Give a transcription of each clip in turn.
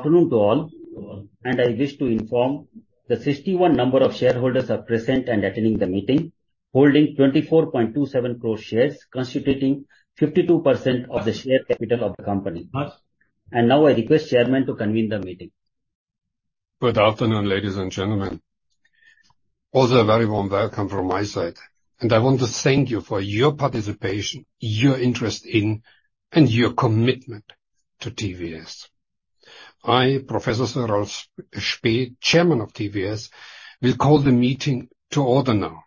Afternoon to all, and I wish to inform the 61 number of shareholders are present and attending the meeting, holding 24.27 crore shares, constituting 52% of the share capital of the company. Now I request chairman to convene the meeting. Good afternoon, ladies and gentlemen. Also, a very warm welcome from my side, and I want to thank you for your participation, your interest in, and your commitment to TVS. I, Professor Sir Ralf Späth, Chairman of TVS, will call the meeting to order now.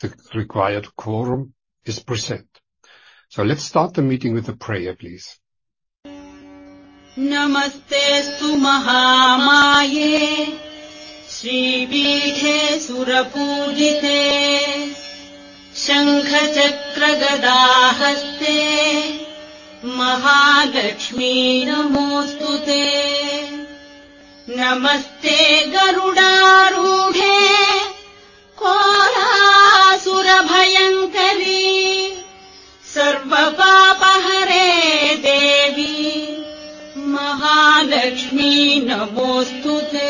The required quorum is present. Let's start the meeting with a prayer, please. Namaste Sumaha Mahe Sri Peethe Sura Pujithe, Shankh Chakra Gada Haste, Mahalakshmi Namostute. Namaste Garudha Roophe, Koha Surabhayankari, Sarva Paapahare Devi, Mahalakshmi Namostute.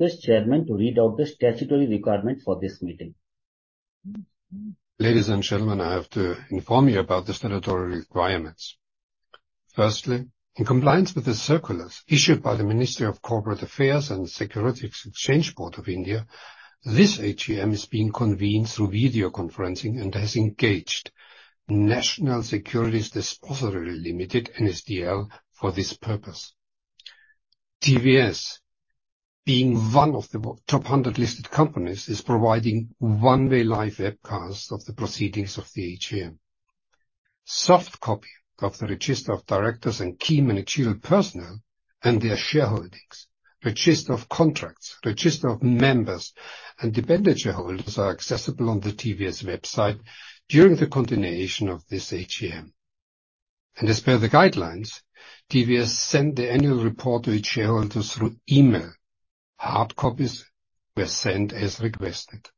I request Chairman to read out the statutory requirements for this meeting. Ladies and gentlemen, I have to inform you about the statutory requirements. Firstly, in compliance with the circulars issued by the Ministry of Corporate Affairs and Securities and Exchange Board of India, this AGM is being convened through video conferencing and has engaged National Securities Depository Limited, NSDL, for this purpose. TVS, being one of the top 100 listed companies, is providing one-way live webcast of the proceedings of the AGM. Soft copy of the register of directors and key managerial personnel and their shareholdings, register of contracts, register of members and debenture holders are accessible on the TVS website during the continuation of this AGM. As per the guidelines, TVS sent the annual report to its shareholders through email. Hard copies were sent as requested.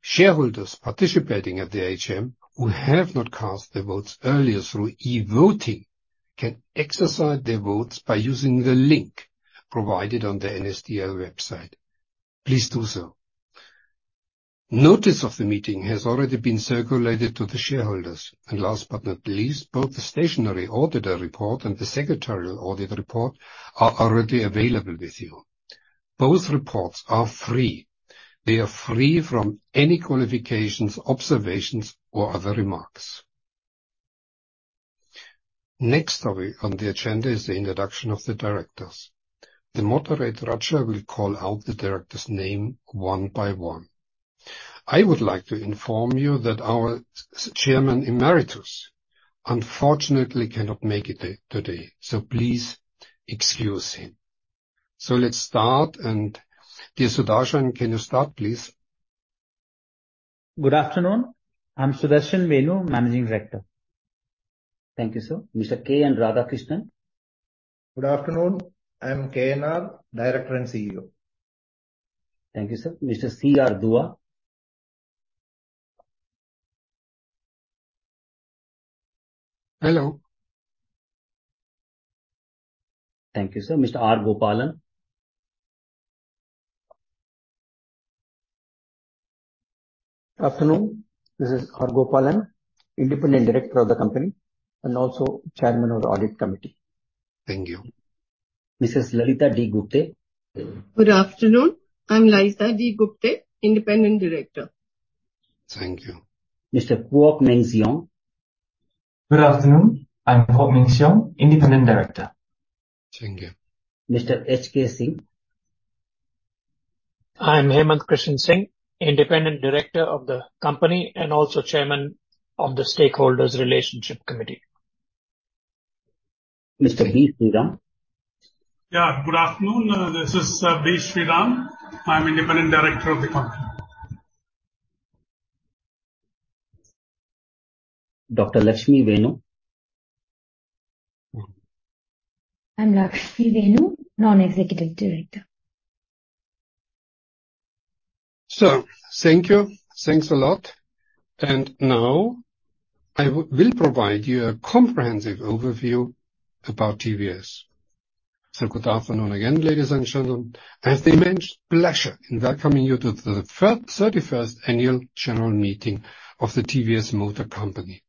Shareholders participating at the AGM who have not cast their votes earlier through e-voting, can exercise their votes by using the link provided on the NSDL website. Please do so. Notice of the meeting has already been circulated to the shareholders. Last but not least, both the stationary auditor report and the secretarial auditor report are already available with you. Both reports are free. They are free from any qualifications, observations, or other remarks. Next on the agenda is the introduction of the directors. The moderator, Raja, will call out the director's name one by one. I would like to inform you that our Chairman Emeritus, unfortunately, cannot make it today, so please excuse him. Let's start, and dear Sudarshan, can you start, please? Good afternoon. I'm Sudarshan Venu, Managing Director. Thank you, sir. Mr. K. N. Radhakrishnan? Good afternoon. I am KNR, Director and CEO. Thank you, sir. Mr. C. R. Dua Hello Thank you, sir. Mr. R. Gopalan? Afternoon. This is R. Gopalan, Independent Director of the company and also Chairman of the Audit Committee. Thank you. Mrs. Lalita D. Gupte? Good afternoon. I'm Lalita D. Gupte, Independent Director. Thank you. Mr. Kuok Meng Xiong. Good afternoon. I'm Kuok Meng Xiong, Independent Director. Thank you. Mr. H. K. Singh? I'm Hemant Krishan Singh, Independent Director of the company, and also Chairman of the Stakeholders Relationship Committee. Mr. B. Sriram? Yeah, good afternoon. This is B. Sriram. I'm Independent Director of the company. Dr. Lakshmi Venu? I'm Lakshmi Venu, Non-Executive Director. Thank you. Thanks a lot. Now I will provide you a comprehensive overview about TVS. Good afternoon again, ladies and gentlemen. It's a immense pleasure in welcoming you to the 31st annual general meeting of the TVS Motor Company.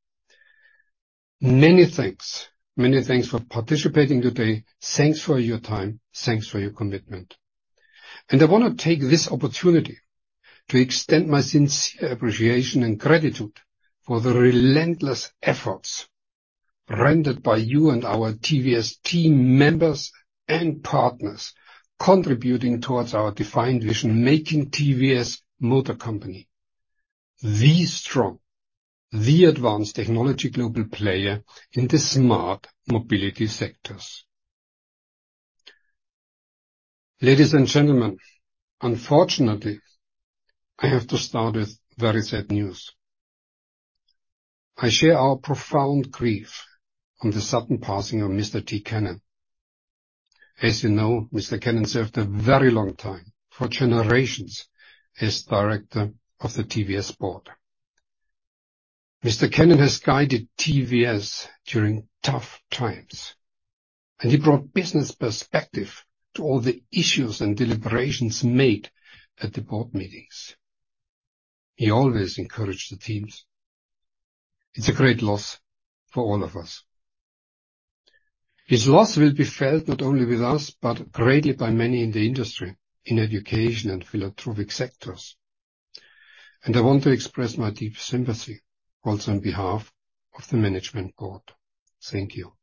Many thanks for participating today. Thanks for your time. Thanks for your commitment. I want to take this opportunity to extend my sincere appreciation and gratitude for the relentless efforts rendered by you and our TVS team members and partners, contributing towards our defined vision, making TVS Motor Company the strong, the advanced technology global player in the smart mobility sectors. Ladies and gentlemen, unfortunately, I have to start with very sad news. I share our profound grief on the sudden passing of Mr. T. Kannan. As you know, Mr. T. Kannan served a very long time, for generations, as director of the TVS board. Mr. T. Kannan has guided TVS during tough times, and he brought business perspective to all the issues and deliberations made at the board meetings. He always encouraged the teams. It's a great loss for all of us. His loss will be felt not only with us, but greatly by many in the industry, in education and philanthropic sectors. I want to express my deep sympathy, also on behalf of the management board. Thank you.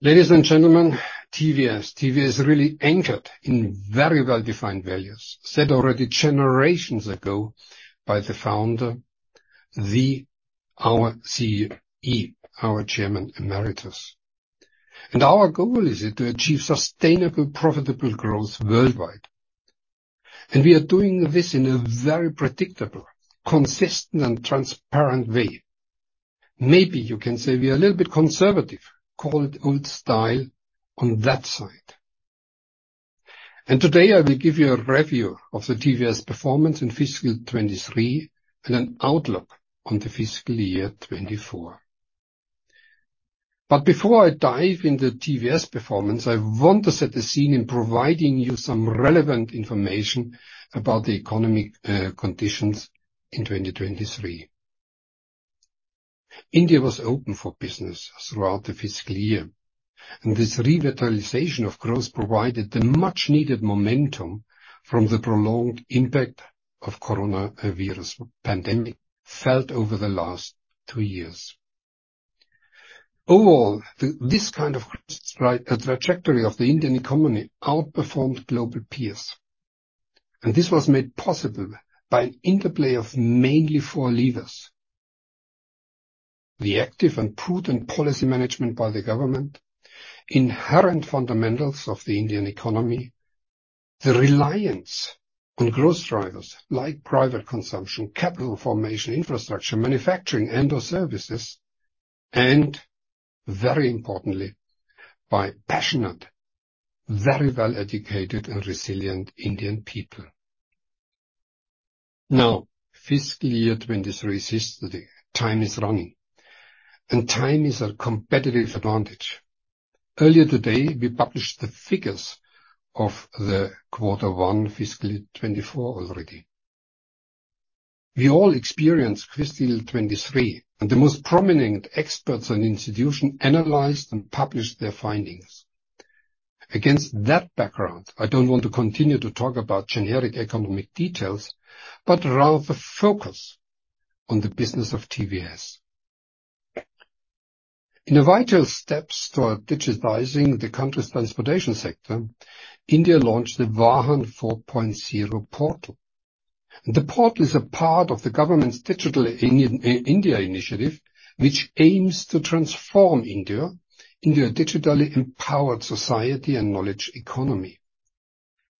Ladies and gentlemen, TVS. TVS is really anchored in very well-defined values, set already generations ago by the founder, our Chairman Emeritus. Our goal is it to achieve sustainable, profitable growth worldwide. We are doing this in a very predictable, consistent, and transparent way. Maybe you can say we are a little bit conservative, call it old style on that side. Today, I will give you a review of the TVS performance in fiscal 2023 and an outlook on the fiscal year 2024. Before I dive in the TVS performance, I want to set the scene in providing you some relevant information about the economic conditions in 2023. India was open for business throughout the fiscal year, and this revitalization of growth provided the much-needed momentum from the prolonged impact of coronavirus pandemic, felt over the last two years. Overall, this kind of trajectory of the Indian economy outperformed global peers, and this was made possible by an interplay of mainly four levers: the active and prudent policy management by the government, inherent fundamentals of the Indian economy, the reliance on growth drivers like private consumption, capital formation, infrastructure, manufacturing, and/or services, and very importantly, by passionate, very well educated and resilient Indian people. Now, fiscal year 23 is history. Time is running, and time is a competitive advantage. Earlier today, we published the figures of the Q1, fiscal year 24 already. We all experienced fiscal year 23. The most prominent experts and institutions analyzed and published their findings. Against that background, I don't want to continue to talk about generic economic details, but rather focus on the business of TVS. In the vital steps toward digitizing the country's transportation sector, India launched the VAHAN 4.0 portal. The portal is a part of the government's Digital India initiative, which aims to transform India into a digitally empowered society and knowledge economy.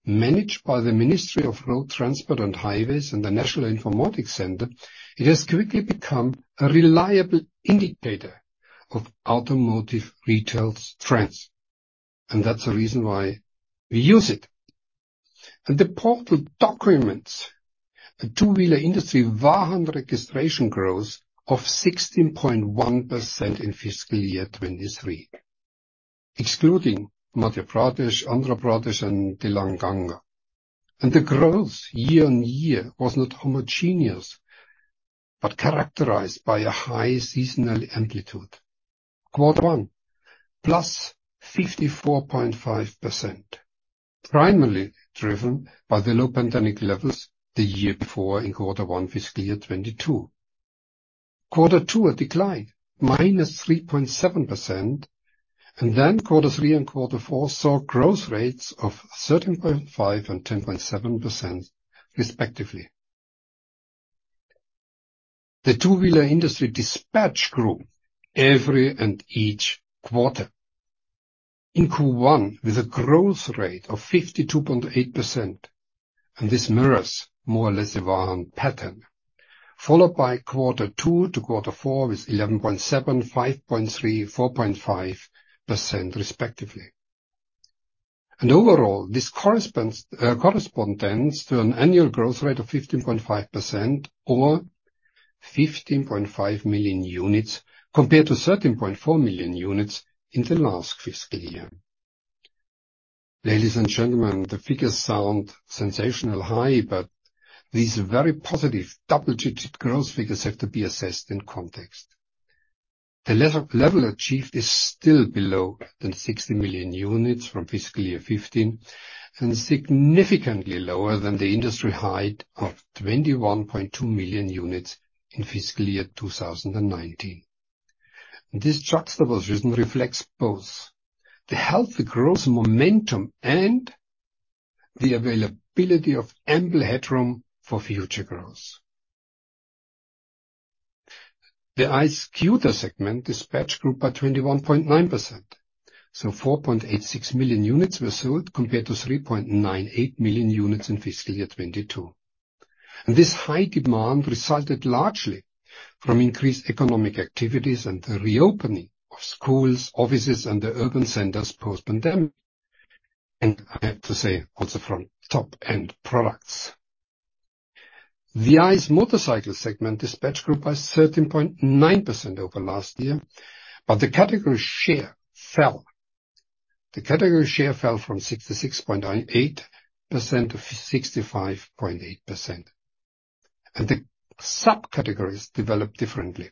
Managed by the Ministry of Road Transport and Highways and the National Informatics Centre, it has quickly become a reliable indicator of automotive retail trends. That's the reason why we use it. The portal documents the two-wheeler industry VAHAN registration growth of 16.1% in fiscal year 2023, excluding Madhya Pradesh, Andhra Pradesh, and Telangana. The growth year-over-year was not homogeneous, but characterized by a high seasonal amplitude. Quarter 1, +54.5%, primarily driven by the low pandemic levels the year before in Quarter 1, fiscal year 2022. Quarter 2, a decline, -3.7%, and then Quarter 3 and Quarter 4 saw growth rates of 13.5% and 10.7%, respectively. The two-wheeler industry dispatch grew every and each quarter. In Q1, with a growth rate of 52.8%, and this mirrors more or less the VAHAN pattern. Followed by Quarter 2 to Quarter 4, with 11.7%, 5.3%, 4.5%, respectively. Overall, this corresponds to an annual growth rate of 15.5% or 15.5 million units, compared to 13.4 million units in the last fiscal year. Ladies and gentlemen, the figures sound sensational high, these very positive double-digit growth figures have to be assessed in context. The level achieved is still below than 60 million units from fiscal year 15, and significantly lower than the industry height of 21.2 million units in fiscal year 2019. This justifiable reason reflects both the healthy growth momentum and the availability of ample headroom for future growth. The iScooter segment dispatch grew by 21.9%, 4.86 million units were sold, compared to 3.98 million units in fiscal year 22. This high demand resulted largely from increased economic activities and the reopening of schools, offices, and the urban centers post-pandemic. I have to say, also from top-end products. The ICE motorcycle segment dispatched grew by 13.9% over last year. The category share fell. The category share fell from 66.8% to 65.8%. The subcategories developed differently.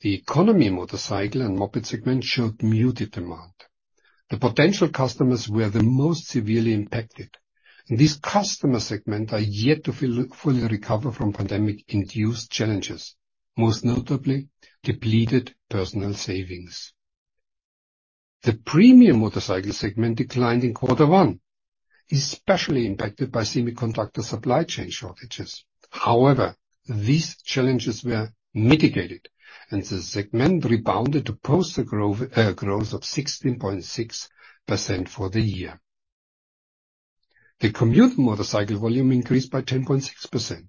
The economy motorcycle and moped segment showed muted demand. The potential customers were the most severely impacted. This customer segment are yet to fully recover from pandemic-induced challenges, most notably depleted personal savings. The premium motorcycle segment declined in quarter one, especially impacted by semiconductor supply chain shortages. However, these challenges were mitigated. The segment rebounded to post a growth of 16.6% for the year. The commute motorcycle volume increased by 10.6%.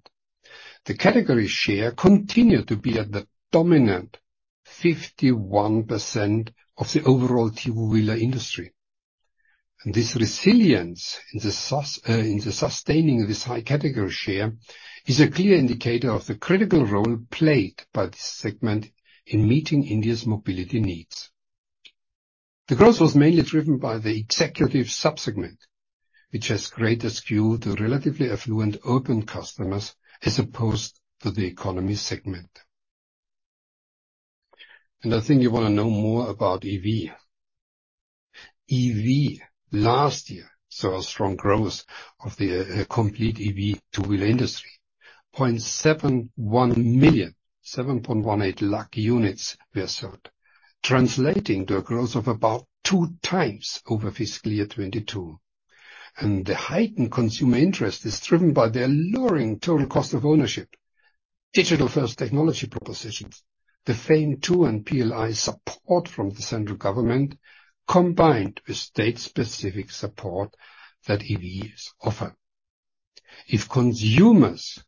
The category share continued to be at the dominant 51% of the overall two-wheeler industry. This resilience in the sustaining of this high category share is a clear indicator of the critical role played by this segment in meeting India's mobility needs. The growth was mainly driven by the executive sub-segment, which has greater skew to relatively affluent urban customers as opposed to the economy segment. I think you wanna know more about EV. EV last year, saw a strong growth of the complete EV two-wheeler industry. 0.71 million, 7.18 lakh units were sold, translating to a growth of about 2 times over fiscal year 2022. The heightened consumer interest is driven by the alluring total cost of ownership, digital-first technology propositions, the FAME II and PLI support from the central government, combined with state-specific support that EVs offer. If consumers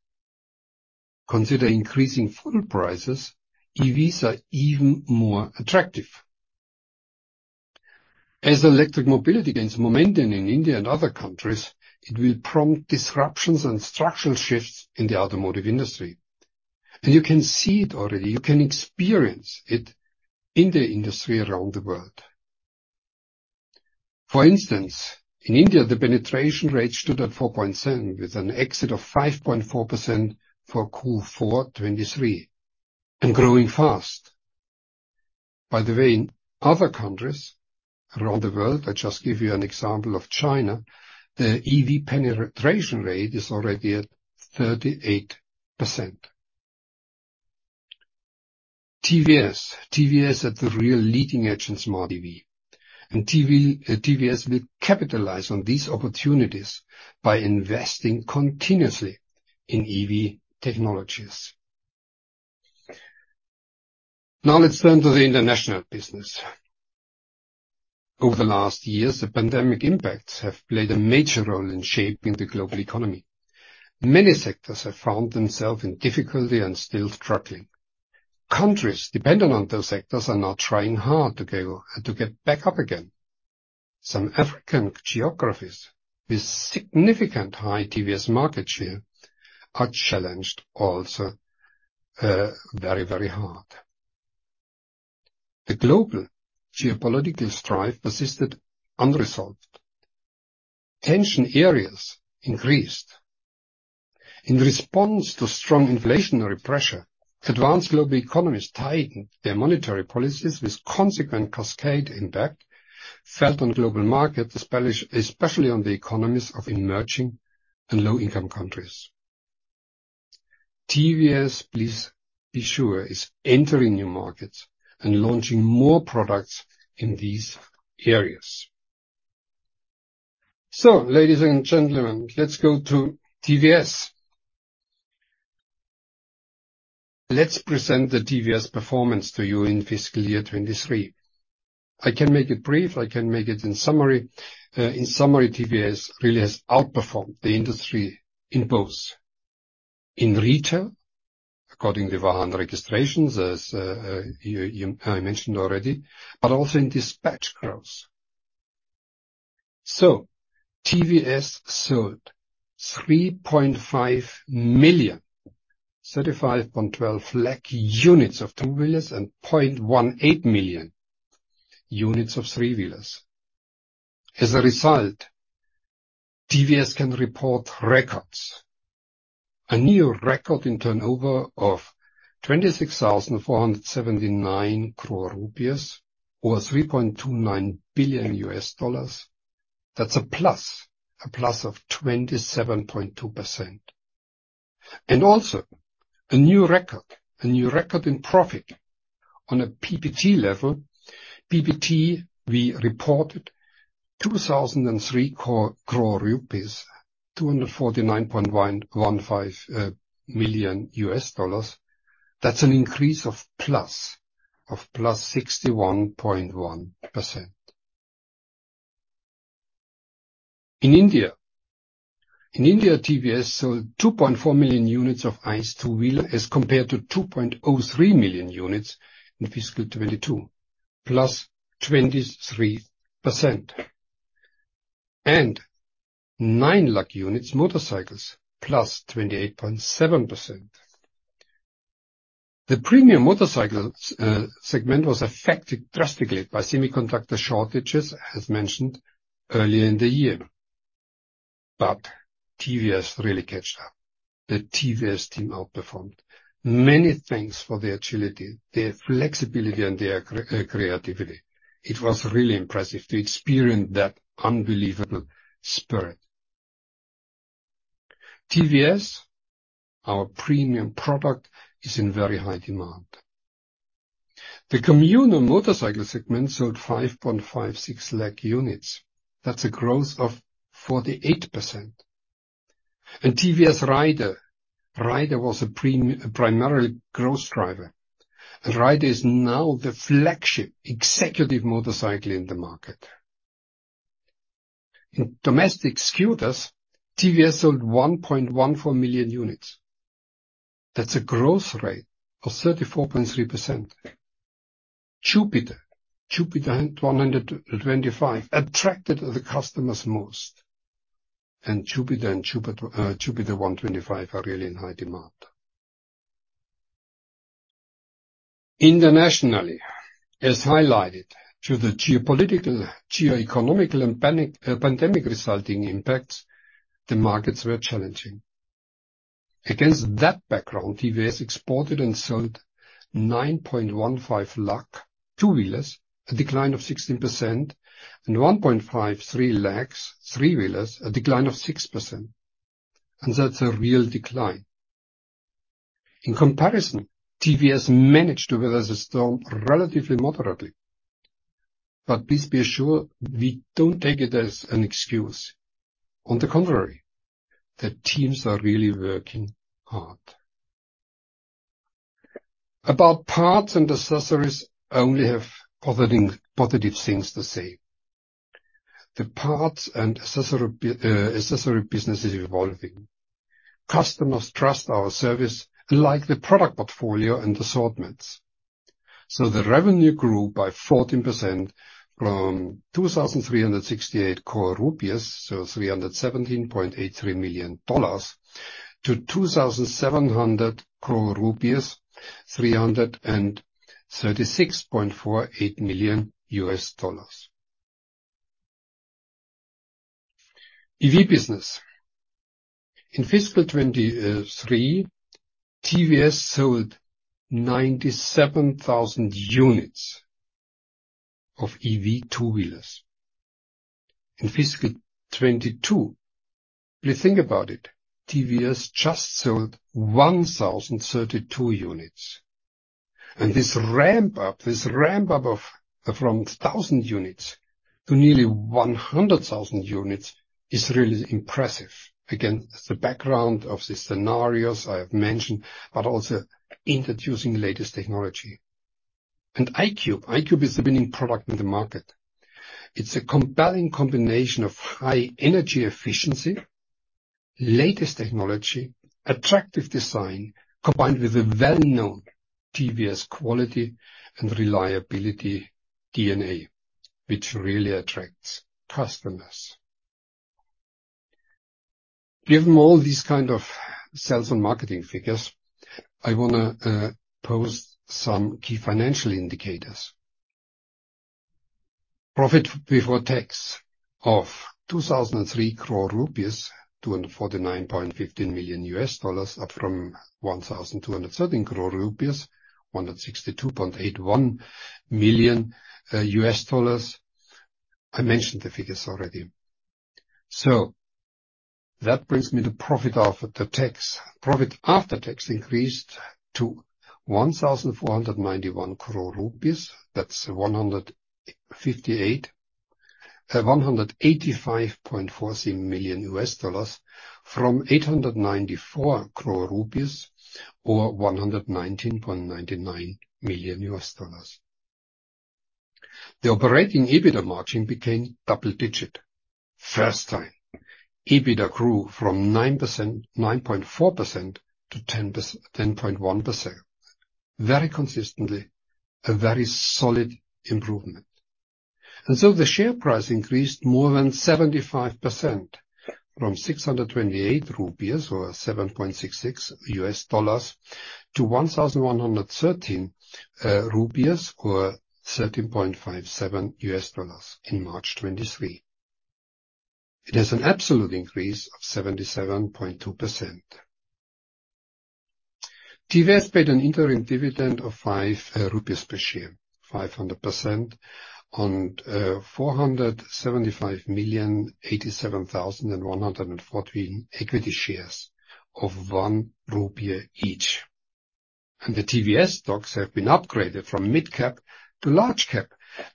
consider increasing fuel prices, EVs are even more attractive. As electric mobility gains momentum in India and other countries, it will prompt disruptions and structural shifts in the automotive industry. You can see it already, you can experience it in the industry around the world. For instance, in India, the penetration rate stood at 4.7, with an exit of 5.4% for Q4 2023, and growing fast. By the way, in other countries around the world, I just give you an example of China, the EV penetration rate is already at 38%. TVS. TVS is at the real leading edge in smart EV, TVS will capitalize on these opportunities by investing continuously in EV technologies. Let's turn to the international business. Over the last years, the pandemic impacts have played a major role in shaping the global economy. Many sectors have found themselves in difficulty and still struggling. Countries dependent on those sectors are now trying hard to get back up again. Some African geographies with significant high TVS market share are challenged also, very hard. The global geopolitical strife persisted unresolved. Tension areas increased. In response to strong inflationary pressure, advanced global economies tightened their monetary policies, with consequent cascade impact felt on global market, especially on the economies of emerging and low-income countries. TVS, please be sure, is entering new markets and launching more products in these areas. Ladies and gentlemen, let's go to TVS. Let's present the TVS performance to you in fiscal year 2023. I can make it brief. I can make it in summary. In summary, TVS really has outperformed the industry in both retail, according to VAHAN registrations, as I mentioned already, but also in dispatch growth. TVS sold 3.5 million, 35.12 lakh units of two-wheelers and 0.18 million units of three-wheelers. As a result, TVS can report records. A new record in turnover of 26,479 crore rupees or $3.29 billion. That's a plus of 27.2%. Also a new record in profit on a PBT level. PBT, we reported INR 2,003 crore, $249.15 million. That's an increase of 61.1%. In India, TVS sold 2.4 million units of ICE two-wheel as compared to 2.03 million units in fiscal 2022, +23%. 9 lakh units motorcycles, +28.7%. The premium motorcycle segment was affected drastically by semiconductor shortages, as mentioned earlier in the year. TVS really catched up. The TVS team outperformed. Many thanks for their agility, their flexibility, and their creativity. It was really impressive to experience that unbelievable spirit. TVS, our premium product, is in very high demand. The communal motorcycle segment sold 5.56 lakh units. That's a growth of 48%. TVS Raider was a primary growth driver. Raider is now the flagship executive motorcycle in the market. In domestic scooters, TVS sold 1.14 million units. That's a growth rate of 34.3%. Jupiter and Jupiter 125 attracted the customers most, Jupiter and Jupiter 125 are really in high demand. Internationally, as highlighted, through the geopolitical, geoeconomical, and pandemic resulting impacts, the markets were challenging. Against that background, TVS exported and sold 9.15 lakh two-wheelers, a decline of 16%, 1.53 lakhs three-wheelers, a decline of 6%, and that's a real decline. In comparison, TVS managed to weather the storm relatively moderately, please be assured, we don't take it as an excuse. On the contrary, the teams are really working hard. About parts and accessories, I only have positive things to say. The parts and accessory business is evolving. Customers trust our service and like the product portfolio and assortments. The revenue grew by 14% from 2,368 crore rupees, $317.83 million, to 2,700 crore rupees, $336.48 million. EV business. In fiscal 23, TVS sold 97,000 units of EV two-wheelers. In fiscal 22, if you think about it, TVS just sold 1,032 units, this ramp up of from 1,000 units to nearly 100,000 units is really impressive. Again, the background of the scenarios I have mentioned, but also introducing the latest technology. iQube. iQube is the winning product in the market. It's a compelling combination of high energy efficiency, latest technology, attractive design, combined with a well-known TVS quality and reliability DNA, which really attracts customers. Given all these kind of sales and marketing figures, I wanna pose some key financial indicators. Profit before tax of 2,003 crore rupees, $249.15 million, up from 1,213 crore rupees, $162.81 million. I mentioned the figures already. That brings me to profit after tax. Profit after tax increased to 1,491 crore INR, that's $185.46 million, from 894 crore INR or $119.99 million. The operating EBITDA margin became double-digit. First time, EBITDA grew from 9%, 9.4% to 10%, 10.1%. Very consistently, a very solid improvement. So the share price increased more than 75% from 628 rupees or $7.66, to 1,113 rupees or $13.57 in March 2023. It is an absolute increase of 77.2%. TVS paid an interim dividend of 5 rupees per share, 500% on 475,087,114 equity shares of 1 rupee each. The TVS stocks have been upgraded from mid-cap to large-cap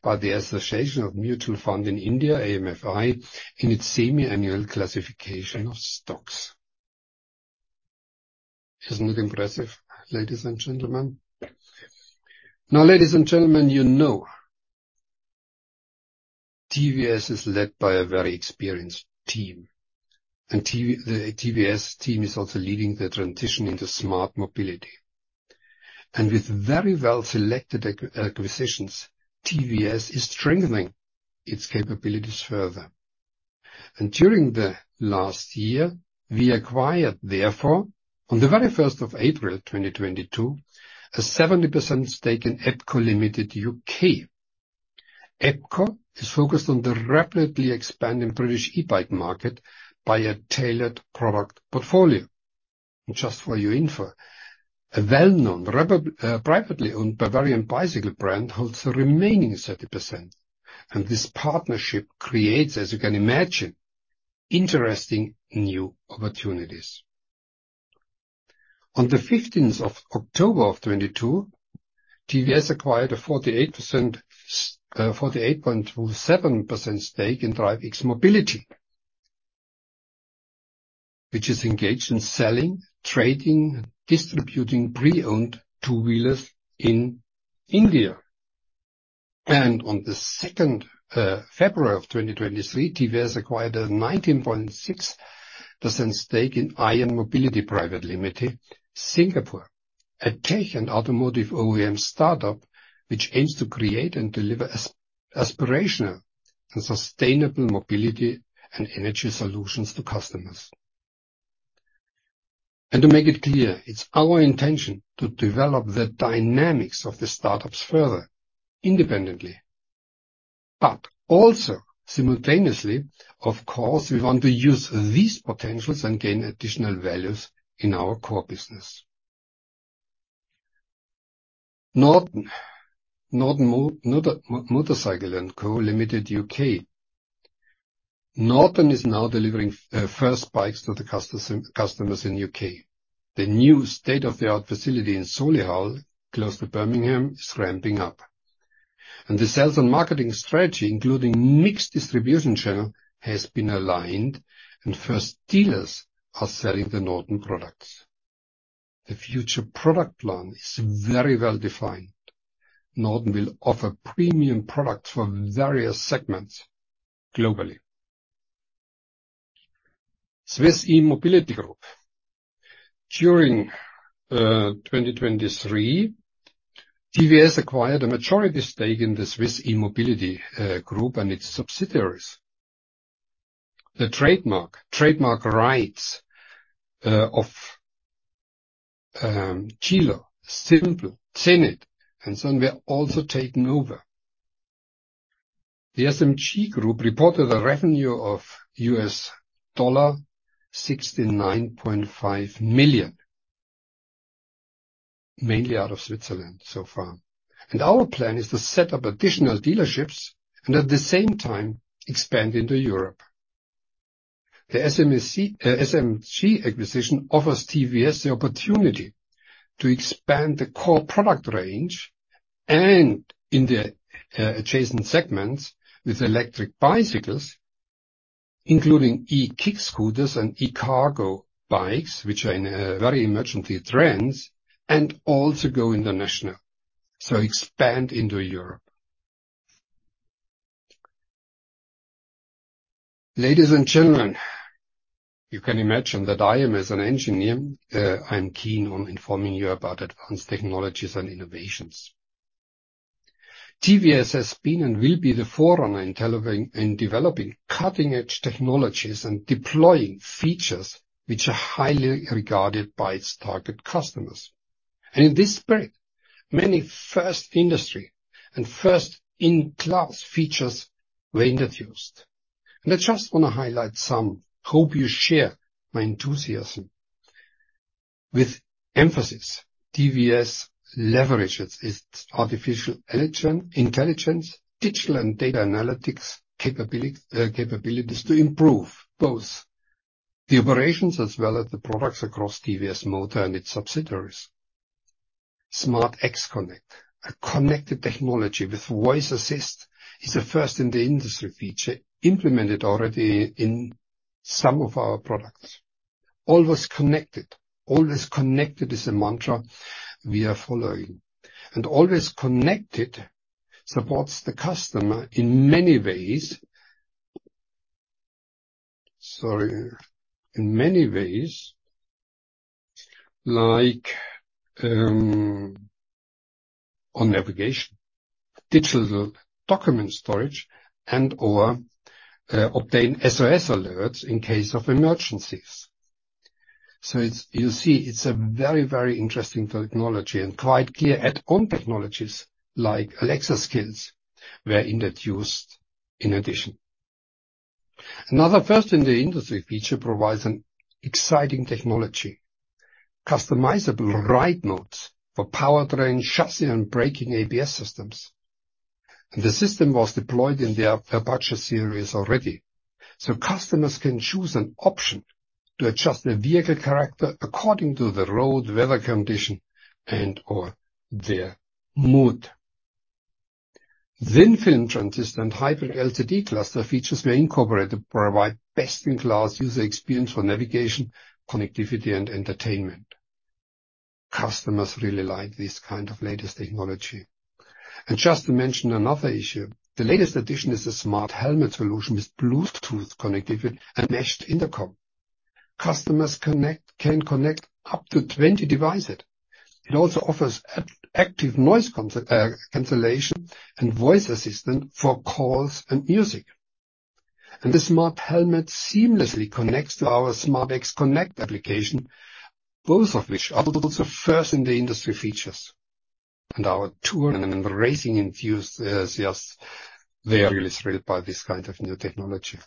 by the Association of Mutual Funds in India, AMFI, in its semiannual classification of stocks. Isn't it impressive, ladies and gentlemen? ladies and gentlemen, you know, TVS is led by a very experienced team, the TVS team is also leading the transition into smart mobility. With very well-selected acquisitions, TVS is strengthening its capabilities further. During the last year, we acquired, therefore, on the very 1st of April, 2022, a 70% stake in EBCO Limited, UK. EBCO is focused on the rapidly expanding British e-bike market by a tailored product portfolio. Just for your info, a well-known privately-owned Bavarian bicycle brand holds the remaining 30%, and this partnership creates, as you can imagine, interesting new opportunities. On the 15th of October of 2022, TVS acquired a 48.27% stake in DriveX Mobility, which is engaged in selling, trading, and distributing pre-owned two-wheelers in India. On the 2nd February of 2023, TVS acquired a 19.6% stake in ION Mobility Pte. Ltd., Singapore, a tech and automotive OEM startup, which aims to create and deliver aspirational and sustainable mobility and energy solutions to customers. To make it clear, it's our intention to develop the dynamics of the startups further, independently, but also simultaneously, of course, we want to use these potentials and gain additional values in our core business. Norton Motorcycle Co. Limited, UK. Norton is now delivering first bikes to the customers in UK. The new state-of-the-art facility in Solihull, close to Birmingham, is ramping up, and the sales and marketing strategy, including mixed distribution channel, has been aligned, and first dealers are selling the Norton products. The future product plan is very well-defined. Norton will offer premium products for various segments globally. Swiss E-Mobility Group. During 2023, TVS acquired a majority stake in the Swiss E-Mobility Group and its subsidiaries. The trademark rights of Cilo, Simpel, Zenith, and Sun were also taken over. The SMG Group reported a revenue of $69.5 million, mainly out of Switzerland so far. Our plan is to set up additional dealerships and at the same time expand into Europe. The SMG acquisition offers TVS the opportunity to expand the core product range and in the adjacent segments with electric bicycles, including e-kick scooters and e-cargo bikes, which are in very emerging trends, and also go international, so expand into Europe. Ladies and gentlemen, you can imagine that I am, as an engineer, I'm keen on informing you about advanced technologies and innovations. TVS has been and will be the forerunner in telling, in developing cutting-edge technologies and deploying features which are highly regarded by its target customers. In this spirit, many first industry and first-in-class features were introduced. I just want to highlight some. Hope you share my enthusiasm. With emphasis, TVS leverages its artificial intelligence, digital and data analytics capabilities to improve both the operations as well as the products across TVS Motor and its subsidiaries. SmartXonnect, a connected technology with voice assist, is a first-in-the-industry feature implemented already in some of our products. Always connected. Always connected is a mantra we are following, Always connected supports the customer in many ways, like, in many ways, like, on navigation, digital document storage, and/or obtain SOS alerts in case of emergencies. you see, it's a very, very interesting technology and quite clear add-on technologies like Alexa skills were introduced in addition. Another first-in-the-industry feature provides an exciting technology, customizable ride modes for powertrain, chassis, and braking ABS systems. The system was deployed in the Apache series already, so customers can choose an option to adjust their vehicle character according to the road, weather condition, and/or their mood. Thin-film transistor and hyper LCD cluster features were incorporated to provide best-in-class user experience for navigation, connectivity, and entertainment. Customers really like this kind of latest technology. Just to mention another issue, the latest addition is a smart helmet solution with Bluetooth connectivity and meshed intercom. Customers can connect up to 20 devices. It also offers active noise cancellation and voice assistant for calls and music. The smart helmet seamlessly connects to our SmartXonnect application, both of which are also first in the industry features. Our tour and racing infused guests, they are really thrilled by this kind of new technology.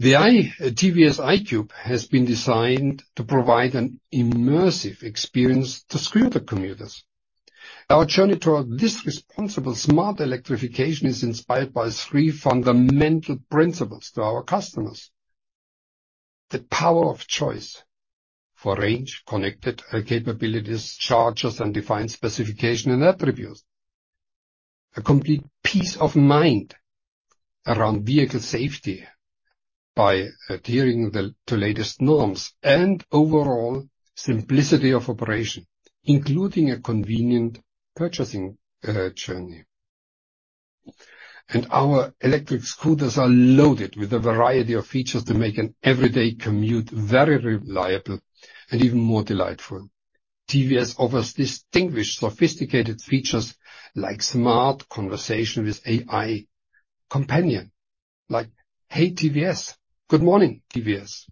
TVS iQube has been designed to provide an immersive experience to scooter commuters. Our journey toward this responsible, smart electrification is inspired by three fundamental principles to our customers. The power of choice for range, connected capabilities, chargers, and defined specification and attributes. A complete peace of mind around vehicle safety by adhering to latest norms and overall simplicity of operation, including a convenient purchasing journey. Our electric scooters are loaded with a variety of features to make an everyday commute very reliable and even more delightful. TVS offers distinguished, sophisticated features like smart conversation with AI companion, like, "Hey, TVS. Good morning, TVS.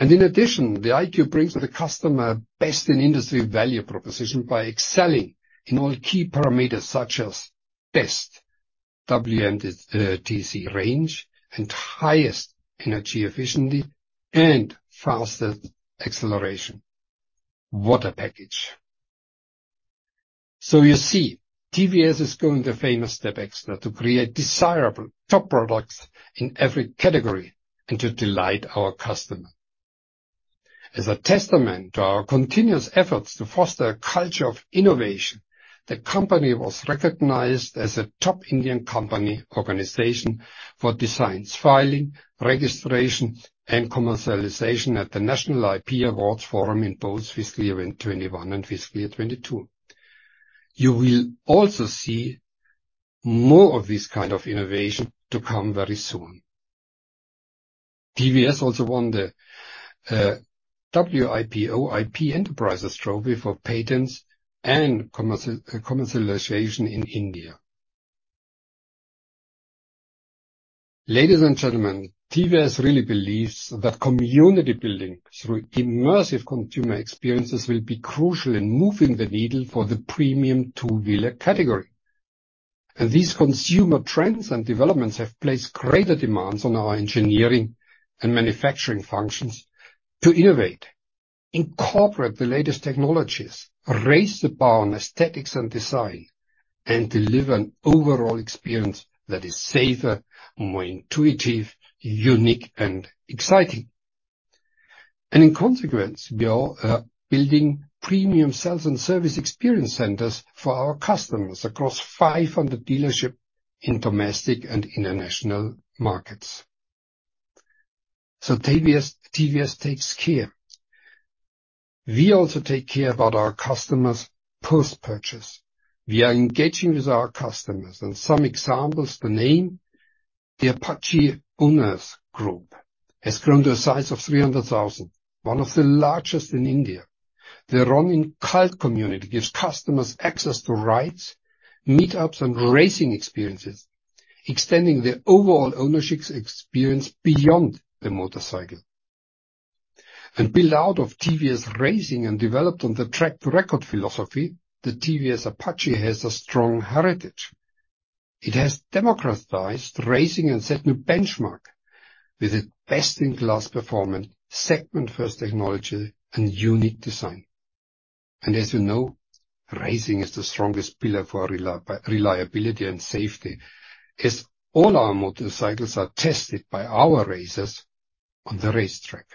In addition, the iQube brings the customer best-in-industry value proposition by excelling in all key parameters, such as best WMTC range and highest energy efficiency and fastest acceleration. What a package! You see, TVS is going the famous step extra to create desirable top products in every category and to delight our customer. As a testament to our continuous efforts to foster a culture of innovation, the company was recognized as a top Indian company organization for designs, filing, registration, and commercialization at the National IP Awards Forum in both fiscal year 21 and fiscal year 22. You will also see more of this kind of innovation to come very soon. TVS also won the WIPO IP Enterprises Trophy for patents and commercialization in India. Ladies and gentlemen, TVS really believes that community building through immersive consumer experiences will be crucial in moving the needle for the premium two-wheeler category. These consumer trends and developments have placed greater demands on our engineering and manufacturing functions to innovate, incorporate the latest technologies, raise the bar on aesthetics and design, and deliver an overall experience that is safer, more intuitive, unique, and exciting. In consequence, we are building premium sales and service experience centers for our customers across 500 dealerships in domestic and international markets. TVS takes care. We also take care about our customers post-purchase. We are engaging with our customers, and some examples to name, the Apache Owners Group, has grown to a size of 300,000, one of the largest in India. The Ronin CuLT community gives customers access to rides, meetups, and racing experiences, extending their overall ownership experience beyond the motorcycle. Build out of TVS Racing and developed on the track to record philosophy, the TVS Apache has a strong heritage. It has democratized racing and set a new benchmark with a best-in-class performance, segment-first technology, and unique design. As you know, racing is the strongest pillar for reliability and safety, as all our motorcycles are tested by our racers on the racetrack.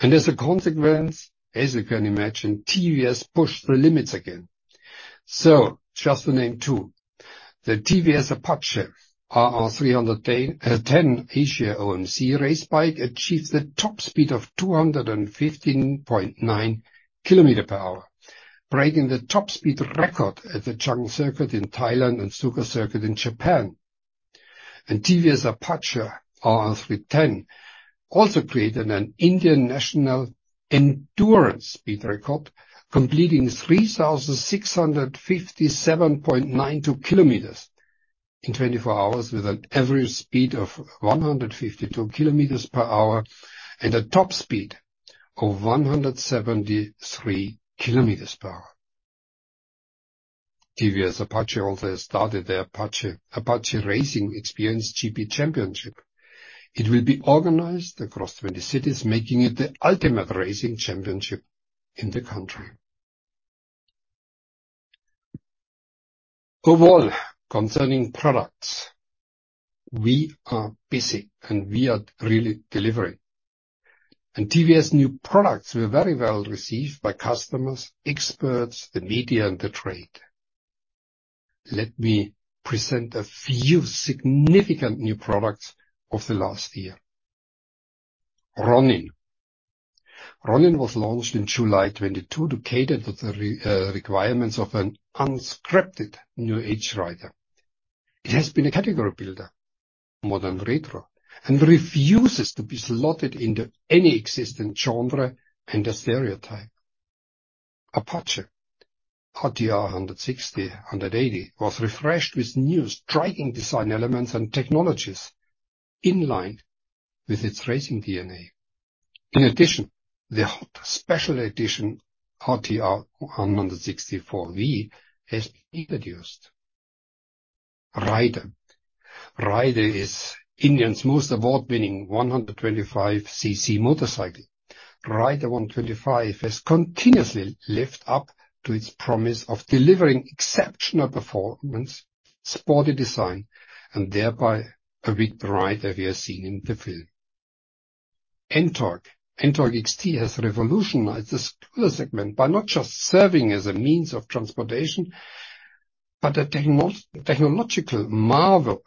As a consequence, as you can imagine, TVS pushed the limits again. Just to name two, the TVS Apache, RR 310, 10 Asia OMC race bike achieves a top speed of 215.9 kilometer per hour, breaking the top speed record at the Chang Circuit in Thailand and Sugo Circuit in Japan. TVS Apache RR 310 also created an Indian National Endurance Speed Record, completing 3,657.92 kilometers in 24 hours with an average speed of 152 kilometers per hour and a top speed of 173 kilometers per hour. TVS Apache also started the Apache Racing Experience GP Championship. It will be organized across 20 cities, making it the ultimate racing championship in the country. Overall, concerning products, we are busy and we are really delivering. TVS new products were very well received by customers, experts, the media, and the trade. Let me present a few significant new products of the last year. Ronin. Ronin was launched in July 2022 to cater to the requirements of an unscripted new age rider. It has been a category builder, modern retro, and refuses to be slotted into any existing genre and a stereotype. Apache RTR 160, 180, was refreshed with new striking design elements and technologies in line with its racing DNA. In addition, the special edition RTR 160 4V has been introduced. Raider. Raider is Indian's most award-winning 125cc motorcycle. Raider 125 has continuously lived up to its promise of delivering exceptional performance, sporty design, and thereby a big rider we are seeing in the field. NTORQ. NTORQ XT has revolutionized the scooter segment by not just serving as a means of transportation, but a technological marvel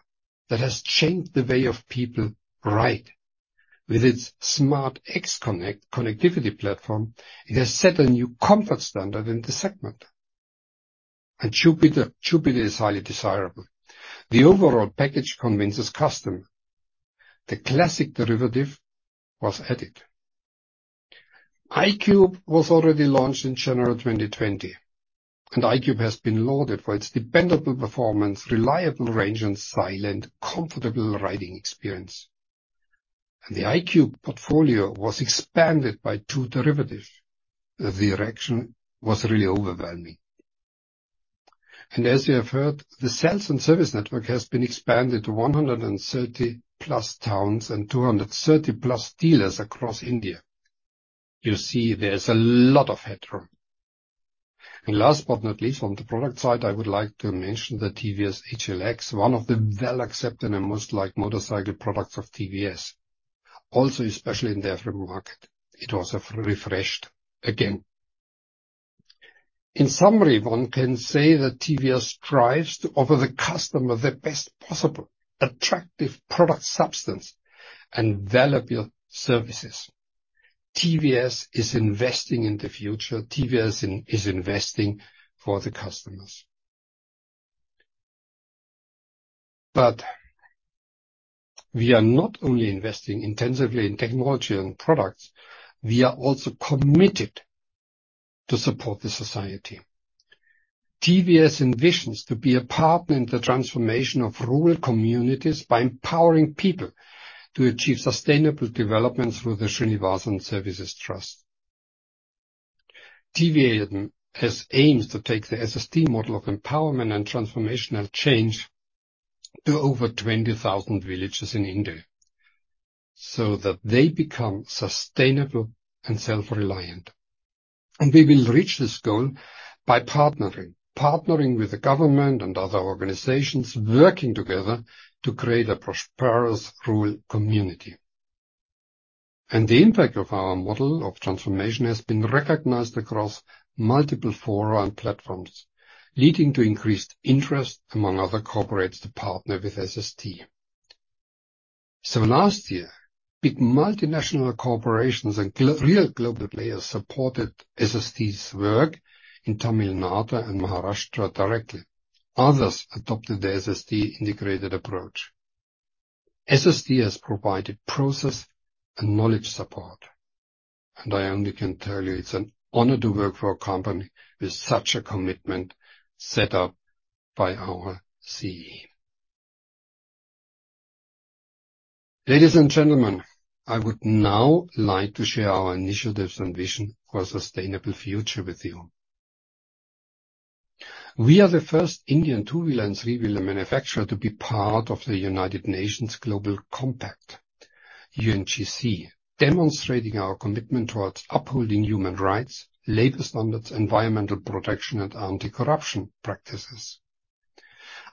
that has changed the way of people ride. With its SmartXonnect connectivity platform, it has set a new comfort standard in the segment. Jupiter is highly desirable. The overall package convinces customer. The classic derivative was added. iQube was already launched in January 2020, and iQube has been loaded for its dependable performance, reliable range, and silent, comfortable riding experience. The iQube portfolio was expanded by two derivatives. The reaction was really overwhelming. As you have heard, the sales and service network has been expanded to 130 plus towns and 230 plus dealers across India. You see, there's a lot of headroom. Last but not least, from the product side, I would like to mention the TVS HLX, one of the well accepted and most liked motorcycle products of TVS, also, especially in the African market. It was refreshed again. In summary, one can say that TVS strives to offer the customer the best possible attractive product, substance, and valuable services. TVS is investing in the future. TVS is investing for the customers. We are not only investing intensively in technology and products, we are also committed to support the society. TVS envisions to be a partner in the transformation of rural communities by empowering people to achieve sustainable development through the Srinivasan Services Trust. TVS aims to take the SST model of empowerment and transformational change to over 20,000 villages in India, so that they become sustainable and self-reliant. We will reach this goal by partnering. Partnering with the government and other organizations, working together to create a prosperous rural community. The impact of our model of transformation has been recognized across multiple fora and platforms, leading to increased interest among other corporates to partner with SST. Last year, big multinational corporations and real global players supported SST's work in Tamil Nadu and Maharashtra directly. Others adopted the SST integrated approach. SST has provided process and knowledge support. I only can tell you, it's an honor to work for a company with such a commitment set up by our CE. Ladies and gentlemen, I would now like to share our initiatives and vision for a sustainable future with you. We are the first Indian two-wheeler and three-wheeler manufacturer to be part of the United Nations Global Compact, UNGC, demonstrating our commitment towards upholding human rights, labor standards, environmental protection, and anti-corruption practices.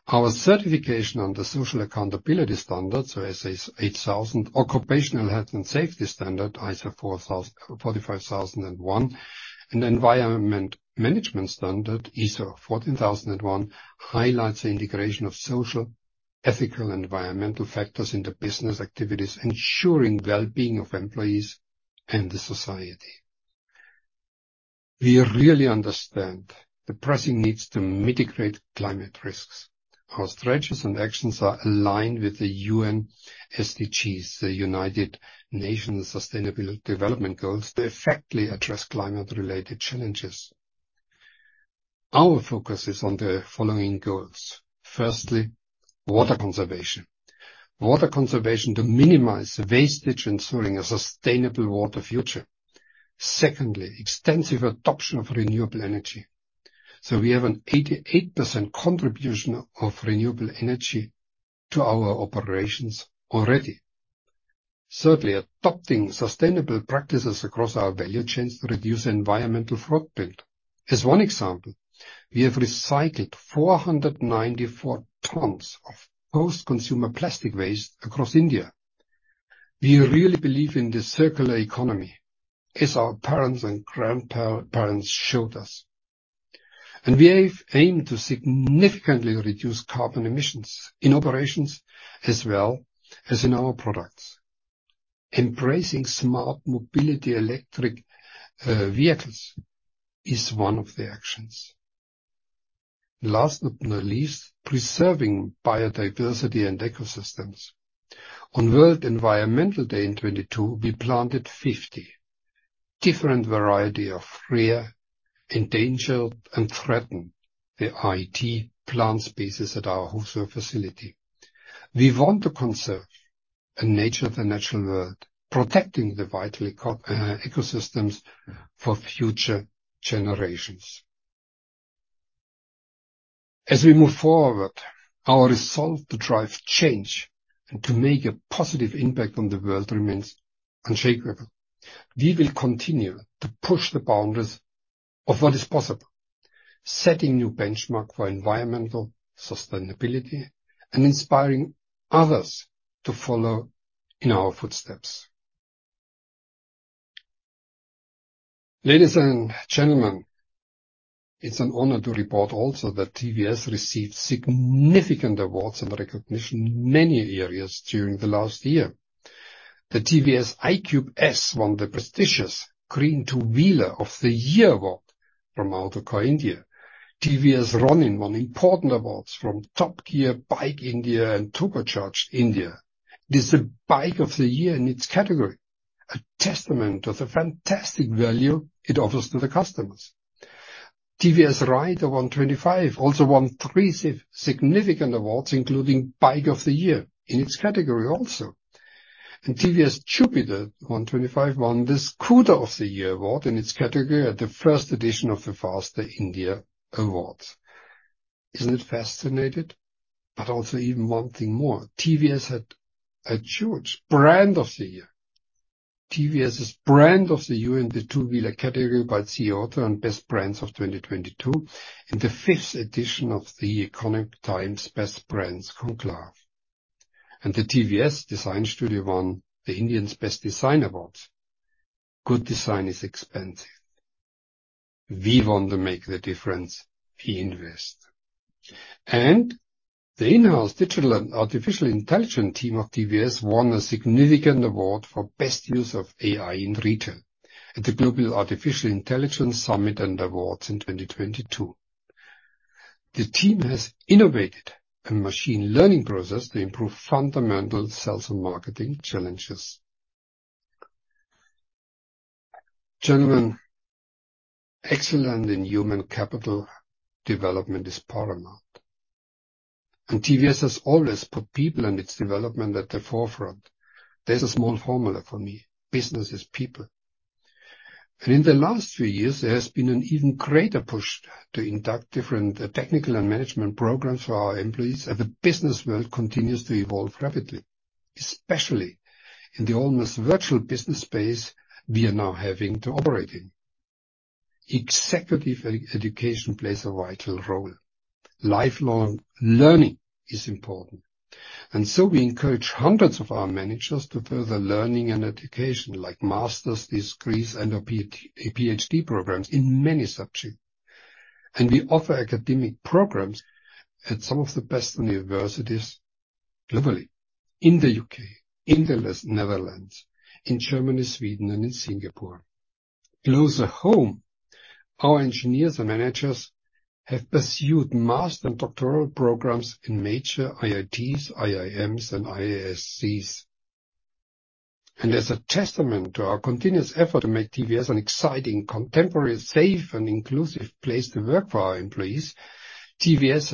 Our certification and the social accountability standards, SA8000, occupational health and safety standard, ISO 45001, and Environment Management Standard, ISO 14001, highlights the integration of social, ethical, and environmental factors in the business activities, ensuring wellbeing of employees and the society. We really understand the pressing needs to mitigate climate risks. Our strategies and actions are aligned with the UN SDGs, the United Nations Sustainable Development Goals, to effectively address climate-related challenges. Our focus is on the following goals. Firstly, water conservation. Water conservation to minimize the wastage, ensuring a sustainable water future. Secondly, extensive adoption of renewable energy. We have an 88% contribution of renewable energy to our operations already. Certainly, adopting sustainable practices across our value chains reduce environmental footprint. As one example, we have recycled 494 tons of post-consumer plastic waste across India. We really believe in this circular economy, as our parents and parents showed us. We have aimed to significantly reduce carbon emissions in operations as well as in our products. Embracing smart mobility electric vehicles is one of the actions. Last but not least, preserving biodiversity and ecosystems. On World Environmental Day in 2022, we planted 50 different variety of rare, endangered, and threatened the IT plant species at our Hosur facility. We want to conserve the nature of the natural world, protecting the vital ecosystems for future generations. We move forward, our resolve to drive change and to make a positive impact on the world remains unshakable. We will continue to push the boundaries of what is possible, setting new benchmark for environmental sustainability, and inspiring others to follow in our footsteps. Ladies and gentlemen, it's an honor to report also that TVS received significant awards and recognition in many areas during the last year. The TVS iQube S won the prestigious Green Two Wheeler of the Year award from Autocar India. TVS Ronin won important awards from Top Gear, Bike India, and Torque Charge India. It is the Bike of the Year in its category, a testament of the fantastic value it offers to the customers. TVS Raider 125 also won 3 significant awards, including Bike of the Year in its category also. TVS Jupiter 125 won the Scooter of the Year award in its category at the first edition of the FASTER Awards. Isn't it fascinated? Also even 1 thing more. TVS had achieved Brand of the Year. TVS is Brand of the Year in the two-wheeler category by CO and Best Brands of 2022, in the fifth edition of the Economic Times Best Brands Conclave. The TVS Design Studio won the Indians Best Design Awards. Good design is expensive. We want to make the difference, we invest. The in-house digital and artificial intelligence team of TVS won a significant award for Best Use of AI in Retail at the Global Artificial Intelligence Summit & Awards in 2022. The team has innovated a machine learning process to improve fundamental sales and marketing challenges. Gentlemen, excellent in human capital development is paramount, and TVS has always put people and its development at the forefront. There's a small formula for me: business is people. In the last few years, there has been an even greater push to induct different technical and management programs for our employees, as the business world continues to evolve rapidly, especially in the almost virtual business space we are now having to operate in. Executive education plays a vital role. Lifelong learning is important, and so we encourage hundreds of our managers to further learning and education, like master's degrees and PhD programs in many subjects. we offer academic programs at some of the best universities globally, in the UK, in the Netherlands, in Germany, Sweden, and in Singapore. Closer home, our engineers and managers have pursued master and doctoral programs in major IITs, IIMs, and IISCs. as a testament to our continuous effort to make TVS an exciting, contemporary, safe, and inclusive place to work for our employees, TVS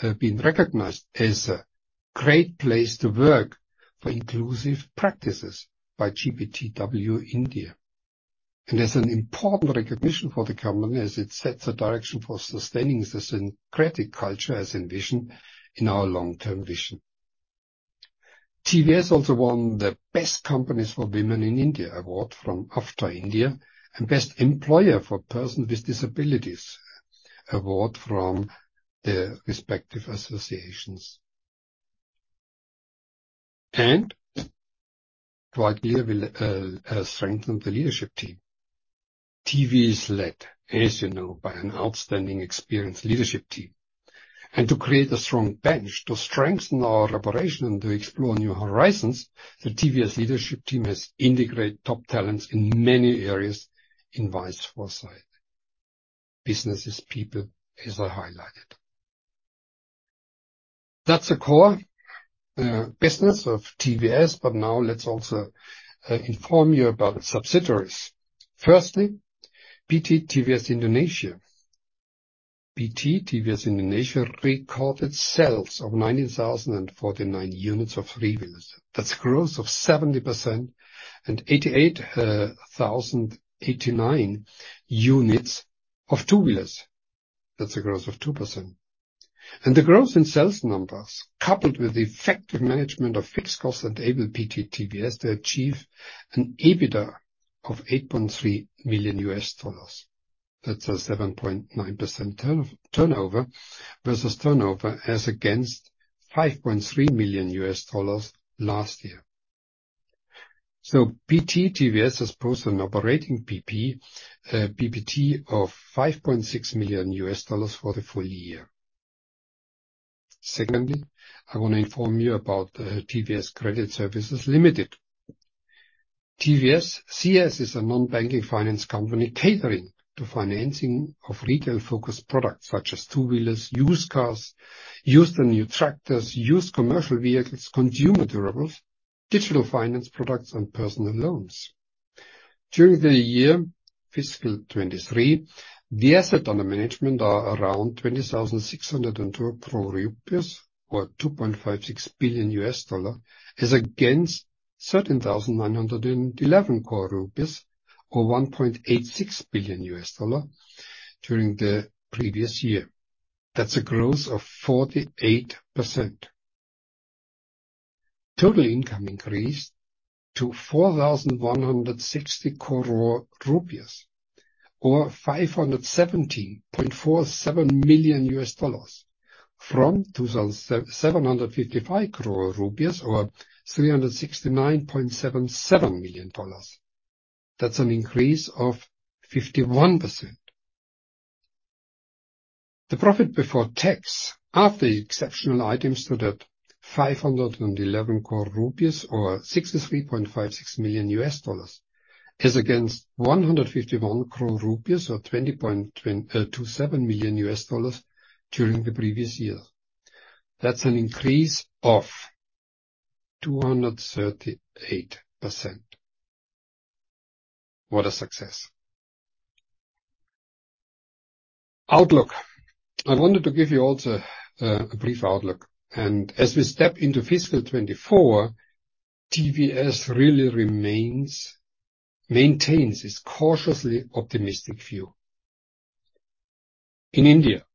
has been recognized as a great place to work for inclusive practices by GPTW India. as an important recognition for the company, as it sets a direction for sustaining the syncretic culture as envisioned in our long-term vision. TVS also won the Best Companies for Women in India award from Avtar India, Best Employer for Person with Disabilities award from the respective associations. To ideally strengthen the leadership team, TVS is led, as you know, by an outstanding, experienced leadership team. To create a strong bench to strengthen our operation and to explore new horizons, the TVS leadership team has integrated top talents in many areas in wise foresight. Business is people, as I highlighted. That's the core business of TVS, but now let's also inform you about the subsidiaries. Firstly, PT TVS Indonesia. PT TVS Indonesia recorded sales of 90,049 units of three-wheelers. That's growth of 70% and 88,089 units of two-wheelers. That's a growth of 2%. The growth in sales numbers, coupled with effective management of fixed costs, enabled PT TVS to achieve an EBITDA of $8.3 million. That's a 7.9% turn, turnover versus turnover, as against $5.3 million last year. PT TVS has posted an operating PBT of $5.6 million for the full year. Secondly, I want to inform you about the TVS Credit Services Limited. TVS Credit Services is a non-banking finance company catering to financing of retail-focused products such as two-wheelers, used cars, used and new tractors, used commercial vehicles, consumer durables, digital finance products, and personal loans. During the year, fiscal 2023, the asset under management are around 20,602 crore rupees, or $2.56 billion, as against 13,911 crore rupees, or $1.86 billion during the previous year. That's a growth of 48%. Total income increased to 4,160 crore rupees, or $570.47 million, from INR 2,755 crore or $369.77 million. That's an increase of 51%. The profit before tax, after the exceptional items, stood at 511 crore rupees or $63.56 million, as against 151 crore rupees or $20.27 million during the previous year. That's an increase of 238%. What a success! Outlook. I wanted to give you also a brief outlook, and as we step into fiscal 2024, TVS really maintains its cautiously optimistic view. In India,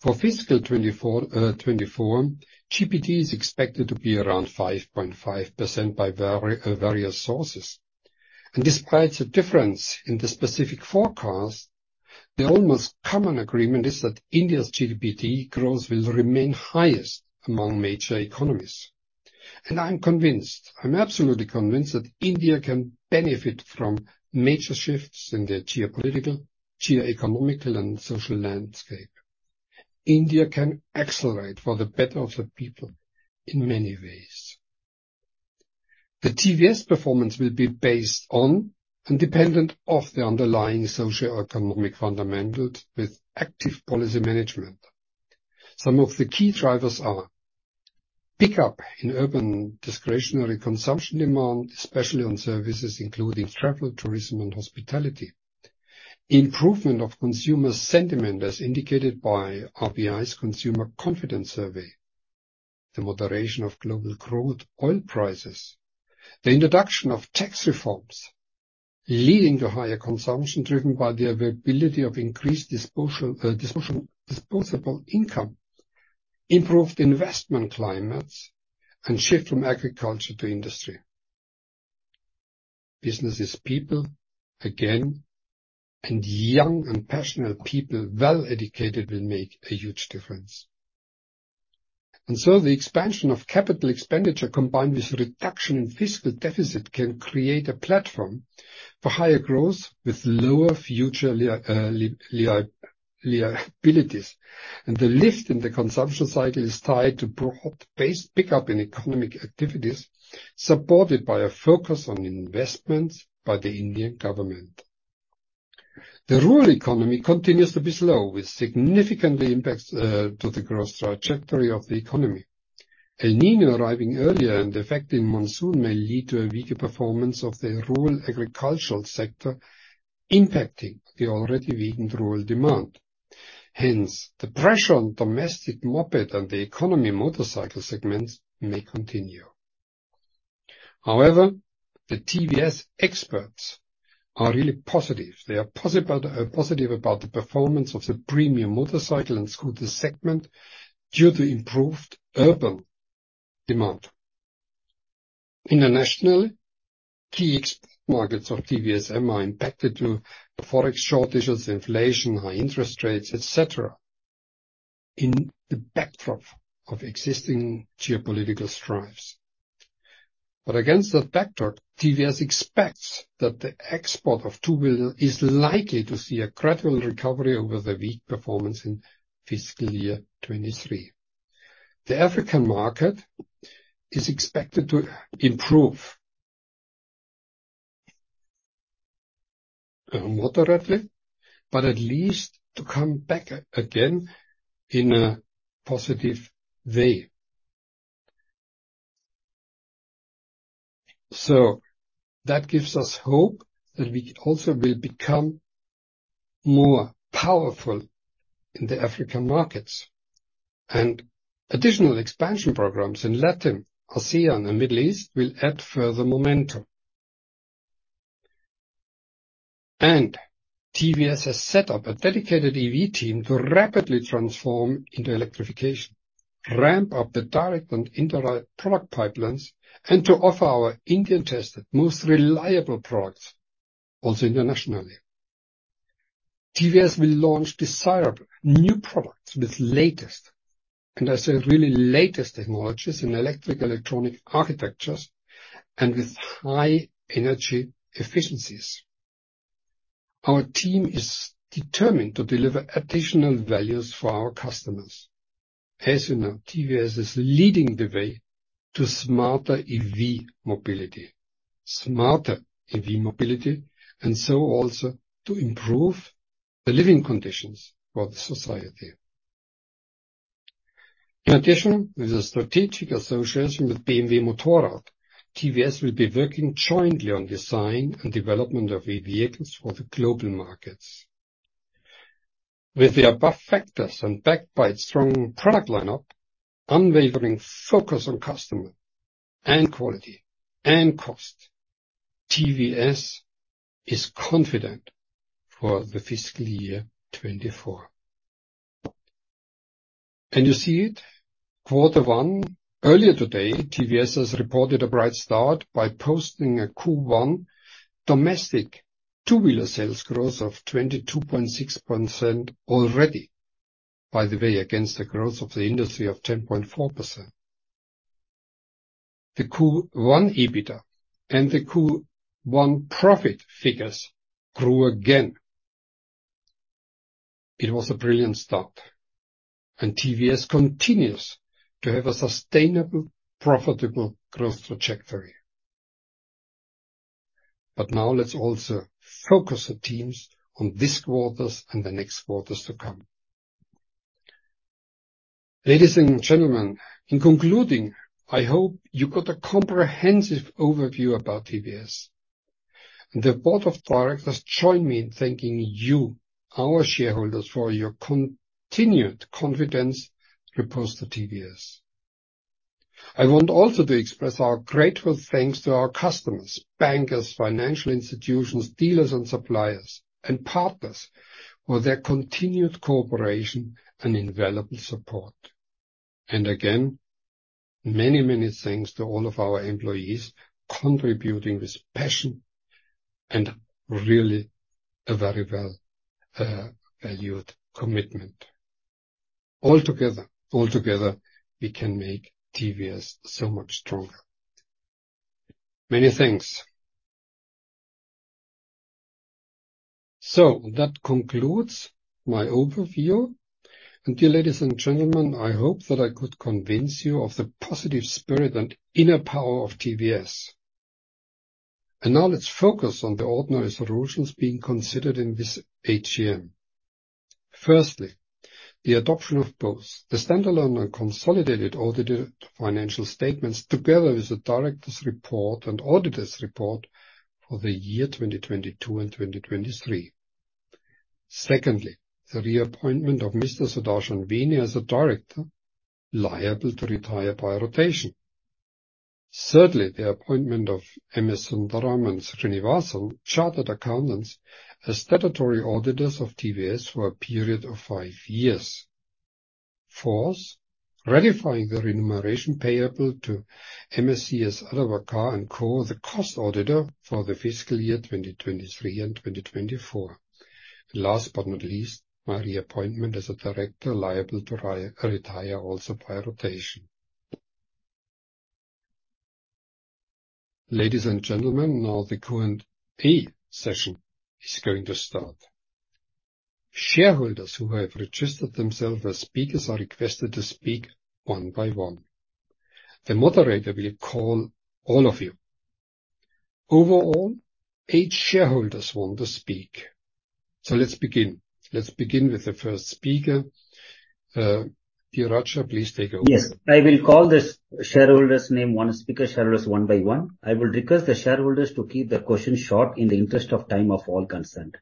for fiscal 2024, GDP is expected to be around 5.5% by various sources. Despite the difference in the specific forecast, the almost common agreement is that India's GDP growth will remain highest among major economies. I'm convinced, I'm absolutely convinced that India can benefit from major shifts in the geopolitical, geoeconomical, and social landscape. India can accelerate for the better of the people in many ways. The TVS performance will be based on and dependent of the underlying socioeconomic fundamentals with active policy management. Some of the key drivers are: pickup in urban discretionary consumption demand, especially on services including travel, tourism, and hospitality. Improvement of consumer sentiment as indicated by RBI's Consumer Confidence Survey. The moderation of global growth, oil prices, the introduction of tax reforms, leading to higher consumption driven by the availability of increased disposable income, improved investment climates, and shift from agriculture to industry. Business is people, again, young and passionate people, well-educated, will make a huge difference. The expansion of capital expenditure, combined with reduction in fiscal deficit, can create a platform for higher growth with lower future liabilities. The lift in the consumption cycle is tied to broad-based pickup in economic activities, supported by a focus on investments by the Indian government. The rural economy continues to be slow, with significant impacts to the growth trajectory of the economy. El Niño arriving earlier and affecting monsoon may lead to a weaker performance of the rural agricultural sector, impacting the already weakened rural demand. The pressure on domestic moped and the economy motorcycle segments may continue. The TVS experts are really positive. They are positive about the performance of the premium motorcycle and scooter segment due to improved urban demand. International, key export markets of TVSEM are impacted through forex shortages, inflation, high interest rates, et cetera, in the backdrop of existing geopolitical strives. Against that backdrop, TVS expects that the export of two wheel is likely to see a gradual recovery over the weak performance in fiscal year 2023. The African market is expected to improve moderately, but at least to come back again in a positive way. That gives us hope that we also will become more powerful in the African markets. Additional expansion programs in Latin, ASEAN, and Middle East will add further momentum. TVS has set up a dedicated EV team to rapidly transform into electrification, ramp up the direct and indirect product pipelines, and to offer our Indian-tested, most reliable products, also internationally. TVS will launch desirable new products with latest, and I say really latest technologies in electric electronic architectures and with high energy efficiencies. Our team is determined to deliver additional values for our customers. As you know, TVS is leading the way to smarter EV mobility. Smarter EV mobility, to also improve the living conditions for the society. In addition, with a strategic association with BMW Motorrad, TVS will be working jointly on design and development of EV vehicles for the global markets. With the above factors, and backed by its strong product lineup, unwavering focus on customer, and quality, and cost, TVS is confident for the fiscal year 2024. Can you see it? Quarter one. Earlier today, TVS has reported a bright start by posting a Q1 domestic two-wheeler sales growth of 22.6% already, by the way, against the growth of the industry of 10.4%. The Q1 EBITDA and the Q1 profit figures grew again. It was a brilliant start, TVS continues to have a sustainable, profitable growth trajectory. Now let's also focus the teams on this quarters and the next quarters to come. Ladies and gentlemen, in concluding, I hope you got a comprehensive overview about TVS. The board of directors join me in thanking you, our shareholders, for your continued confidence you post to TVS. I want also to express our grateful thanks to our customers, bankers, financial institutions, dealers and suppliers, and partners for their continued cooperation and invaluable support. Again, many thanks to all of our employees contributing with passion and really a very well valued commitment. Altogether, we can make TVS so much stronger. Many thanks. That concludes my overview. Dear ladies and gentlemen, I hope that I could convince you of the positive spirit and inner power of TVS. Now let's focus on the ordinary resolutions being considered in this AGM. Firstly, the adoption of both the standalone and consolidated audited financial statements, together with the directors' report and auditors' report for the year 2022 and 2023. Secondly, the reappointment of Mr. Sudarshan Venu as a director, liable to retire by rotation. Thirdly, the appointment of M/s Sundaram & Srinivasan, Chartered Accountants as statutory auditors of TVS for a period of five years. Fourth, ratifying the remuneration payable to C S Adawadkar & Co, the cost auditor, for the fiscal year 2023 and 2024. Last but not least, my reappointment as a director, liable to retire also by rotation. Ladies and gentlemen, now the Q&A session is going to start. Shareholders who have registered themselves as speakers are requested to speak one by one. The moderator will call all of you. Overall, eight shareholders want to speak, so let's begin. Let's begin with the first speaker. Tiracha, please take over. Yes, I will call this shareholders name one, speaker shareholders one by one. I will request the shareholders to keep the question short in the interest of time of all concerned.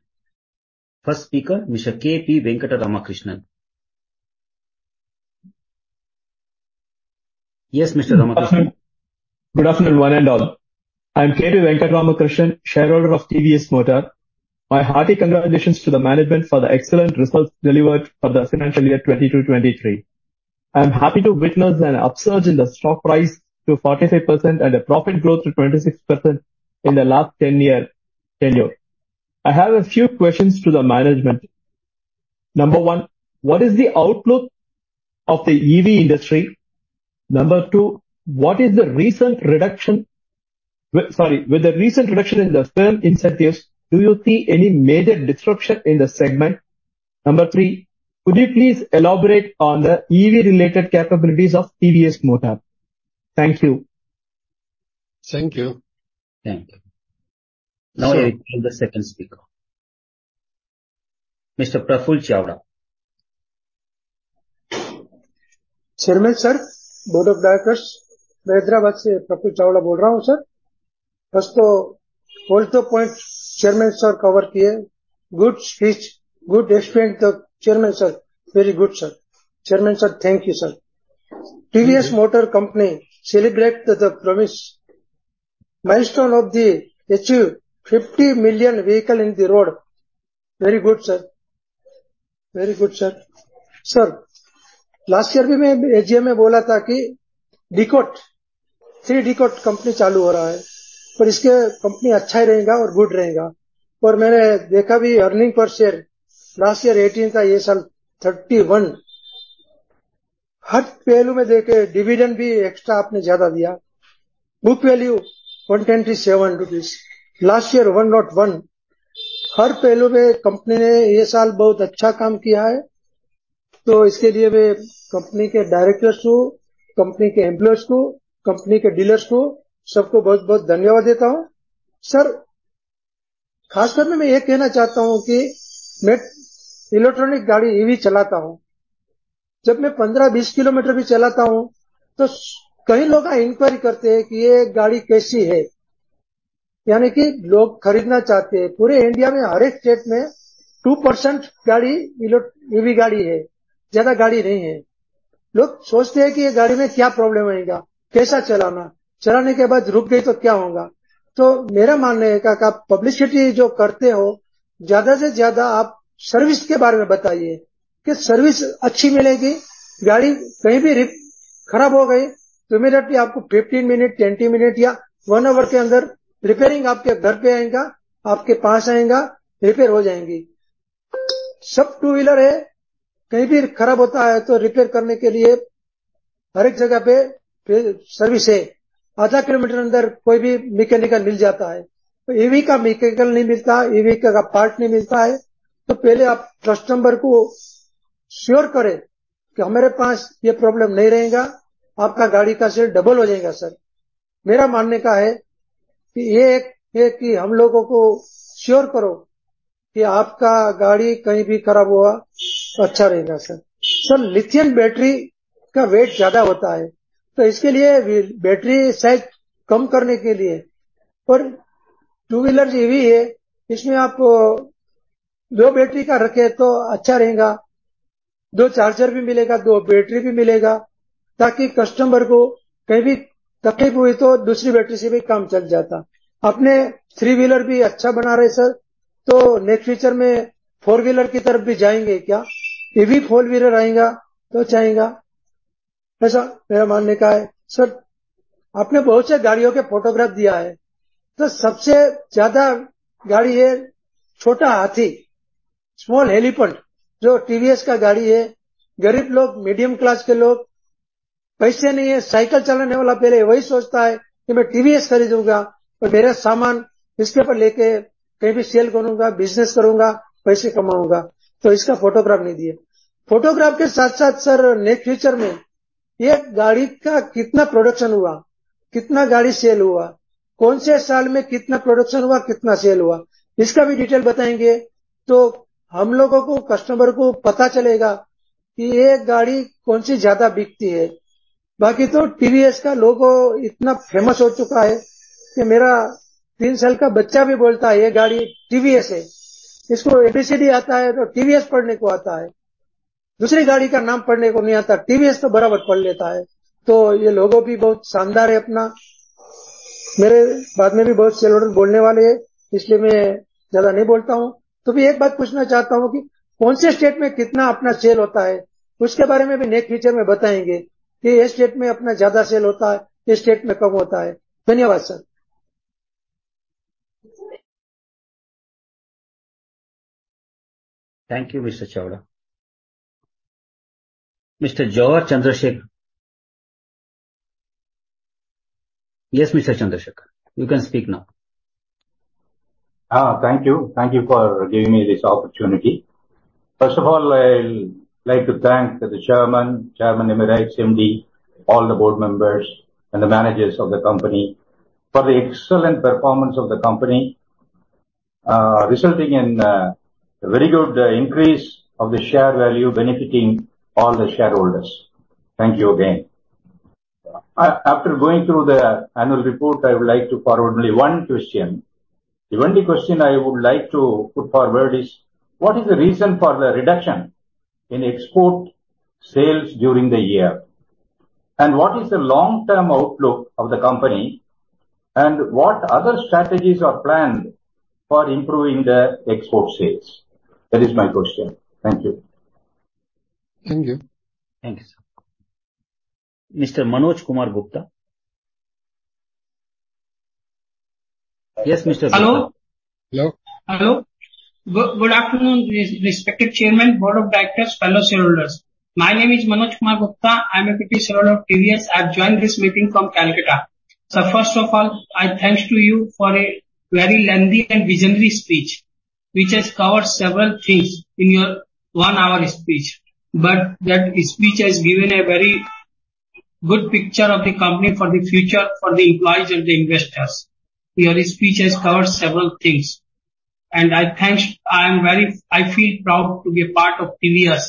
First speaker, Mr. K.P. Venkata Ramakrishnan. Yes, Mr. Ramakrishnan. Good afternoon, one and all. I am K.P. Venkata Ramakrishnan, shareholder of TVS Motor. My hearty congratulations to the management for the excellent results delivered for the financial year 2022, 2023. I am happy to witness an upsurge in the stock price to 45% and a profit growth to 26% in the last 10-year tenure. I have a few questions to the management. Number 1: What is the outlook of the EV industry? Number 2: With the recent reduction in the FAME incentives, do you see any major disruption in the segment? Number 3: Could you please elaborate on the EV-related capabilities of TVS Motor? Thank you. Thank you. Thank you. Now I call the second speaker, Mr. Praful Chawda. Chairman, Sir, board of directors, good speech. Good explanation, Chairman, Sir. Very good, Sir. Chairman, Sir, thank you, sir. TVS Motor Company celebrate the promise milestone of the issue 50 million vehicle in the road. Very good, Sir! Very good sir. Sir, last year भी मैं AGM में बोला था कि decode, 3 decode company चालू हो रहा है और इसके कंपनी अच्छा ही रहेगा और good रहेगा और मैंने देखा भी earning per share last year 18 था, ये साल 31. हर पहलू में देखकर dividend भी extra आपने ज्यादा दिया. Book value INR 127, last year 1.1. हर पहलू में कंपनी ने ये साल बहुत अच्छा काम किया है. इसके लिए मैं कंपनी के directors को, कंपनी के employees को, कंपनी के dealers को, सबको बहुत बहुत धन्यवाद देता हूं. Sir, खासकर मैं यह कहना चाहता हूं कि मैं electronic गाड़ी EV चलाता हूं. जब मैं 15, 20 kilometers भी चलाता हूं तो कई लोग enquiry करते हैं कि यह गाड़ी कैसी है? यानी कि लोग खरीदना चाहते हैं. पूरे India में हर एक स्टेट में 2% गाड़ी EV गाड़ी है, ज्यादा गाड़ी नहीं है. लोग सोचते हैं कि ये गाड़ी में क्या problem आएगा, कैसा चलाना? चलाने के बाद रुक गई तो क्या होगा? मेरा मानना है कि आप publicity जो करते हो, ज्यादा से ज्यादा आप service के बारे में बताइए कि service अच्छी मिलेगी। गाड़ी कहीं भी खराब हो गई तो मैं आपको 15 minutes, 20 minutes या 1 hour के अंदर repairing आपके घर पर आएंगे, आपके पास आएंगे, repair हो जाएंगी। सब 2-wheeler है, कहीं भी खराब होता है तो repair करने के लिए हर एक जगह पर service है। half a kilometer अंदर कोई भी mechanic मिल जाता है। EV का mechanic नहीं मिलता, EV का part नहीं मिलता है तो पहले आप customer को sure करें कि हमारे पास यह problem नहीं रहेगा। आपका गाड़ी का sale double हो जाएगा। Sir, मेरा मानना है कि यह एक है कि हम लोगों को sure करो कि आपका गाड़ी कहीं भी खराब हुआ, अच्छा रहेगा sir. Sir, lithium battery का weight ज्यादा होता है तो इसके लिए battery size कम करने के लिए और 2-wheeler EV है। इसमें आप 2 batteries का रखें तो अच्छा रहेगा। 2 chargers भी मिलेगा, 2 batteries भी मिलेगा ताकि customer को कहीं भी तकलीफ हुई तो दूसरी battery से भी काम चल जाता। अपने 3-wheeler भी अच्छा बना रहे sir, next future में 4-wheeler की तरफ भी जाएंगे क्या? ये भी फोर व्हीलर आएगा तो चाहेंगे। ऐसा मेरा मानना है। सर, आपने बहुत सारी गाड़ियों के फोटोग्राफ दिया है। सबसे ज्यादा गाड़ी है, छोटा हाथी, स्मॉल एलीफेंट। जो TVS का गाड़ी है। गरीब लोग, मीडियम क्लास के लोग। पैसे नहीं है। साइकिल चलाने वाला पहले वही सोचता है कि मैं TVS खरीदूंगा और मेरा सामान इसके ऊपर लेकर कहीं भी सेल करूंगा, बिजनेस करूंगा, पैसे कमाऊंगा तो इसका फोटोग्राफ नहीं दिया। फोटोग्राफ के साथ साथ सर, नेक्स्ट फ्यूचर में 1 गाड़ी का कितना प्रोडक्शन हुआ, कितना गाड़ी सेल हुआ, कौन से साल में कितना प्रोडक्शन हुआ, कितना सेल हुआ, इसका भी डिटेल बताएंगे तो हम लोगों को, कस्टमर को पता चलेगा कि यह गाड़ी कौन सी ज्यादा बिकती है। बाकी तो TVS का लोगो इतना फेमस हो चुका है कि मेरा 3 साल का बच्चा भी बोलता है, ये गाड़ी TVS है। इसको ABCD आता है तो TVS पढ़ने को आता है। दूसरी गाड़ी का नाम पढ़ने को नहीं Thank you. Thank you sir. Mr. Manoj Kumar Gupta. Yes Mr. Hello, hello. Good afternoon, respected Chairman, Board of Directors, fellow shareholders. My name is Manoj Kumar Gupta. I am a shareholder of TVS. I have joined this meeting from Kolkata. First of all, I thanks to you for a very lengthy and visionary speech, which is cover several things in your one hour speech. That speech is given a very good picture of the company for the future, for the employees and investors. Your speech cover several things and I thanks. I am very. I feel proud to be a part of TVS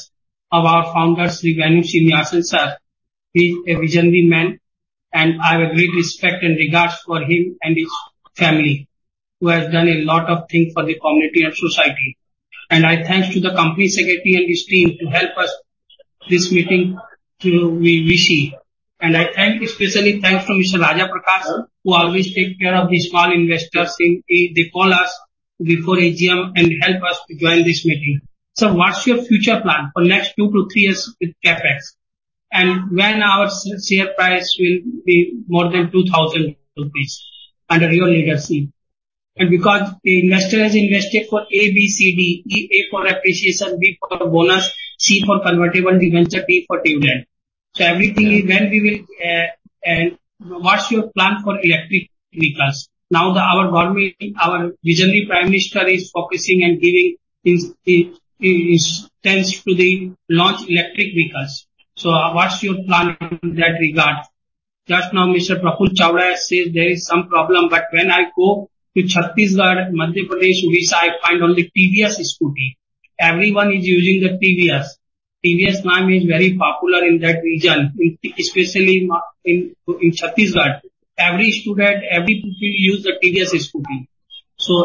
of our foundation Shri Venu Srinivasan sir. He is a visionary man and I have a great respect and regard for him and his family, who has done a lot of things for the community and society. I thanks to the Company Secretary and his team to help us this meeting to be VC. I thank, especially thanks to Mr. Raja Prakash, who always take care of the small investors in, they call us before AGM and help us to join this meeting. What's your future plan for next 2 to 3 years with CapEx? When our share price will be more than 2,000 rupees under your legacy. Because the investor has invested for A, B, C, D, E, A for appreciation, B for bonus, C for convertible debenture, D for dividend. Everything, when we will, what's your plan for electric vehicles? Now that our government, our visionary Prime Minister, is focusing and giving his his tense to the launch electric vehicles. What's your plan in that regard? Just now, Mr. Prakul Chavra says there is some problem, but when I go to Chhattisgarh, Madhya Pradesh, which I find only TVS Scooty. Everyone is using the TVS. TVS name is very popular in that region, especially in Chhattisgarh. Every student, every people use the TVS Scooty.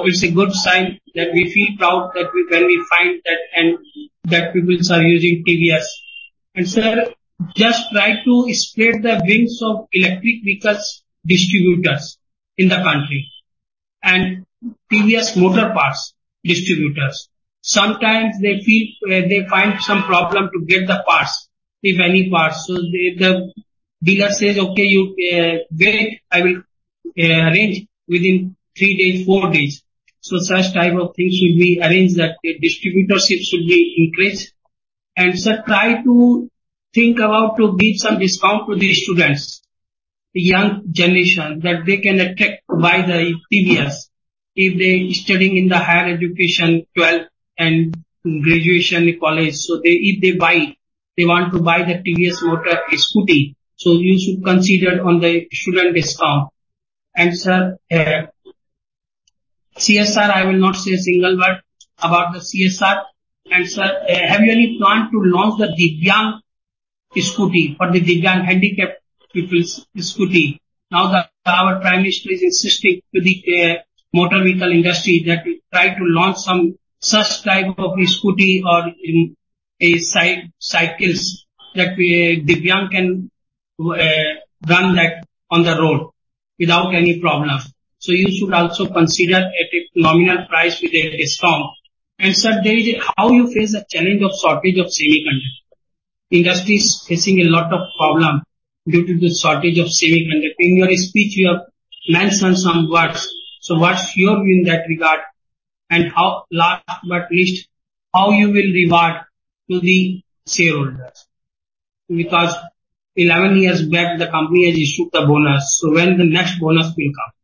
It's a good sign that we feel proud, when we find that and that peoples are using TVS. Sir, just try to spread the wings of electric vehicles distributors in the country and TVS motor parts distributors. Sometimes they feel, they find some problem to get the parts, if any parts. The dealer says, "Okay, you wait, I will arrange within three days, four days." Such type of things should be arranged, that the distributorship should be increased. Sir, try to think about to give some discount to the students, the young generation, that they can attract to buy the TVS if they studying in the higher education, 12th and graduation college. They, if they buy, they want to buy the TVS motor Scooty, you should consider on the student discount. Sir, CSR, I will not say a single word about the CSR. Sir, have you any plan to launch the Divyang scooty for the Divyang handicapped people's scooty? Now that our Prime Minister is insisting to the motor vehicle industry that we try to launch some such type of a scooty or cycles, that we, Divyang can run that on the road without any problems. You should also consider at a nominal price with a discount. Sir, there is a, how you face the challenge of shortage of semiconductor. Industry is facing a lot of problem due to the shortage of semiconductor. In your speech, you have mentioned some words, what's your view in that regard? Last but not least, how you will reward to the shareholders? Because 11 years back, the company has issued a bonus, so when the next bonus will come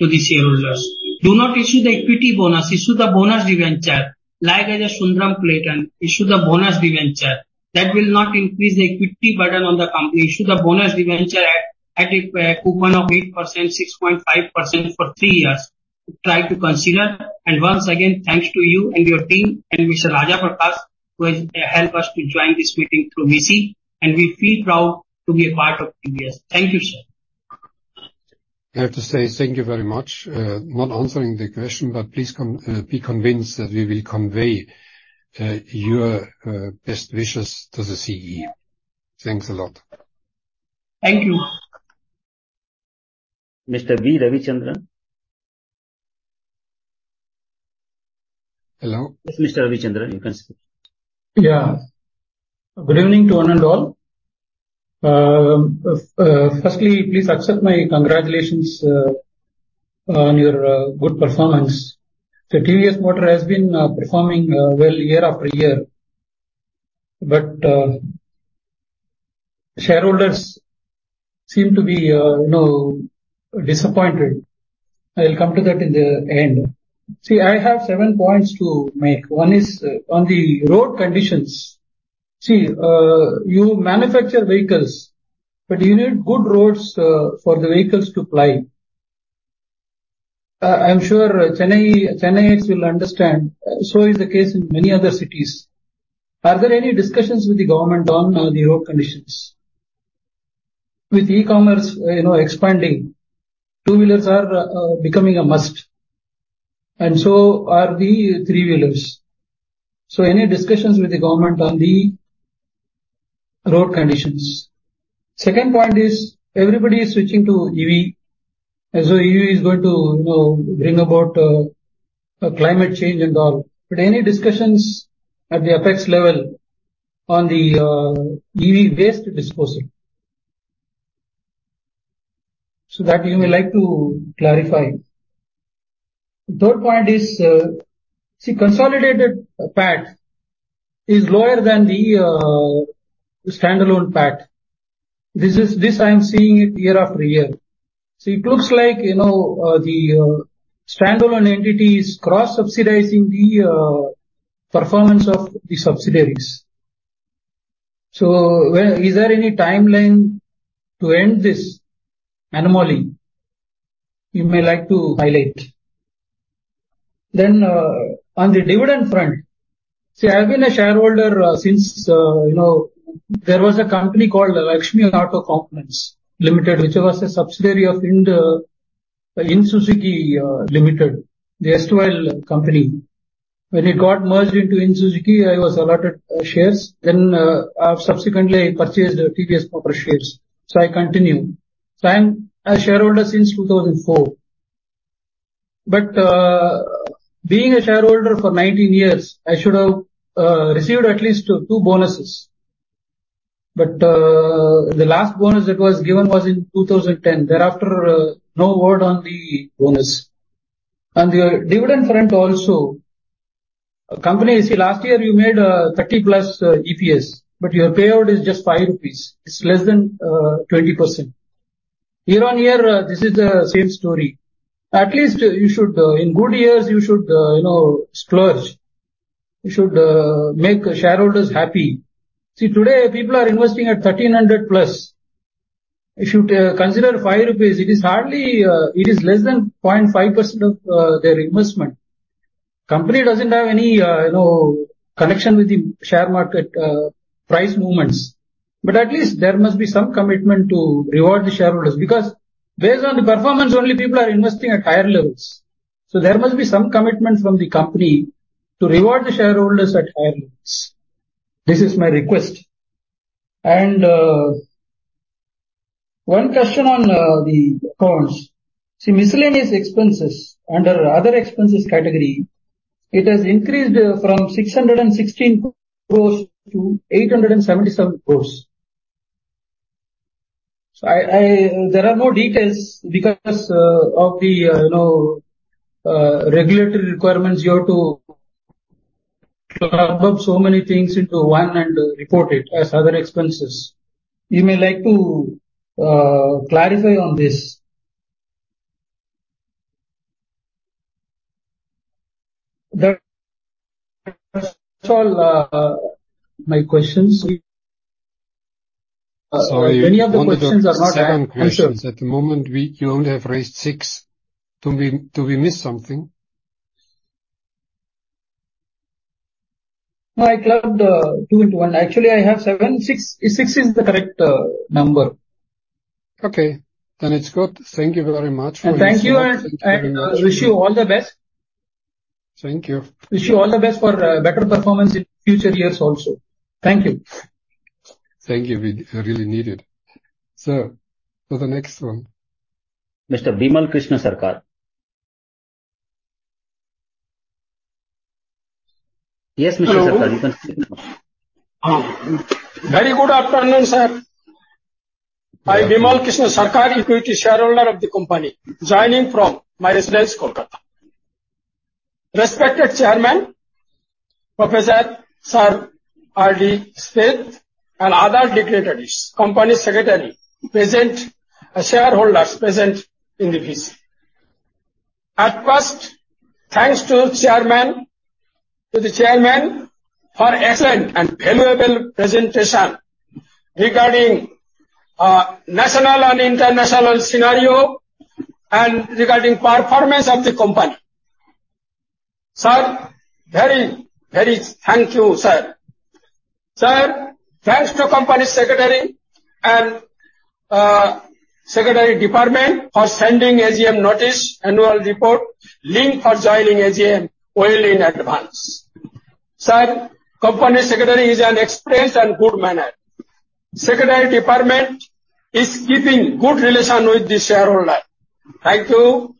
to the shareholders? Do not issue the equity bonus, issue the bonus debenture. Like as a Sundaram-Clayton, issue the bonus debenture. That will not increase the equity burden on the company. Issue the bonus debenture at a coupon of 8%, 6.5% for 3 years. Try to consider. Once again, thanks to you and your team and Mr. Raja Prakash, who has help us to join this meeting through VC, and we feel proud to be a part of TVS. Thank you, sir. I have to say thank you very much. Not answering the question, but please be convinced that we will convey, your best wishes to the CE. Thanks a lot. Thank you. Mr. B Ravichandran? Hello. Yes, Mr. Ravichandran, you can speak. Yeah. Good evening to one and all. Firstly, please accept my congratulations, on your good performance. TVS Motor has been performing well year after year, but shareholders seem to be, you know, disappointed. I'll come to that in the end. See, I have seven points to make. One is on the road conditions. See, you manufacture vehicles, but you need good roads, for the vehicles to ply. I'm sure Chennai, Chennaites will understand, so is the case in many other cities. Are there any discussions with the government on the road conditions? With e-commerce, you know, expanding, two-wheelers are becoming a must, and so are the three-wheelers. Any discussions with the government on the road conditions? Second point is, everybody is switching to EV. EV is going to, you know, bring about climate change and all. Any discussions at the effects level on the EV waste disposal? That you may like to clarify. The third point is, consolidated PAT is lower than the standalone PAT. This is, this I'm seeing it year after year. It looks like, you know, the standalone entity is cross-subsidizing the performance of the subsidiaries. Is there any timeline to end this anomaly? You may like to highlight. On the dividend front, I've been a shareholder since, you know, there was a company called Lakshmi Auto Components Limited, which was a subsidiary of Indo Suzuki Limited, the S two L company. It got merged into Indo Suzuki, I was allotted shares. I've subsequently purchased previous proper shares, I continue. I'm a shareholder since 2004. Being a shareholder for 19 years, I should have received at least 2 bonuses. The last bonus that was given was in 2010. No word on the bonus. On the dividend front also, you see, last year you made 30+ EPS, your payout is just 5 rupees. It's less than 20%. Year-over-year, this is the same story. At least you should, in good years, you should, you know, splurge. You should make shareholders happy. See, today, people are investing at 1,300+. If you consider 5 rupees, it is hardly, it is less than 0.5% of their investment. Company doesn't have any, you know, connection with the share market, price movements, but at least there must be some commitment to reward the shareholders, because based on the performance, only people are investing at higher levels. There must be some commitment from the company to reward the shareholders at higher levels. This is my request. One question on the costs. See, miscellaneous expenses under other expenses category, it has increased from 616 crore to 877 crore. There are no details because of the, you know, regulatory requirements, you have to club up so many things into one and report it as other expenses. You may like to clarify on this. That's all, my questions. Sorry. Any other questions are not- Seven questions. At the moment, you only have raised six. Do we miss something? No, I clubbed, 2 into 1. Actually, I have 7. 6 is the correct number. Okay, it's good. Thank you very much. Thank you, and wish you all the best. Thank you. Wish you all the best for better performance in future years also. Thank you. Thank you. We really need it. For the next one. Mr. Bimal Krishna Sarkar. Yes, Mr. Sarkar, you can speak. Hello. Very good afternoon, sir. I, Bimal Krishna Sarkar, equity shareholder of the company, joining from my residence, Kolkata. Respected Chairman, Professor Sir Ralf Dieter Speth and other dignitaries, company secretary present, and shareholders present in the VC. At first, thanks to the chairman for excellent and valuable presentation regarding national and international scenario and regarding performance of the company. Sir, very, very thank you, sir. Sir, thanks to company secretary and secretary department for sending AGM notice, annual report, link for joining AGM well in advance. Sir, company secretary is an experienced and good manager. Secretary department is keeping good relation with the shareholder. Thank you.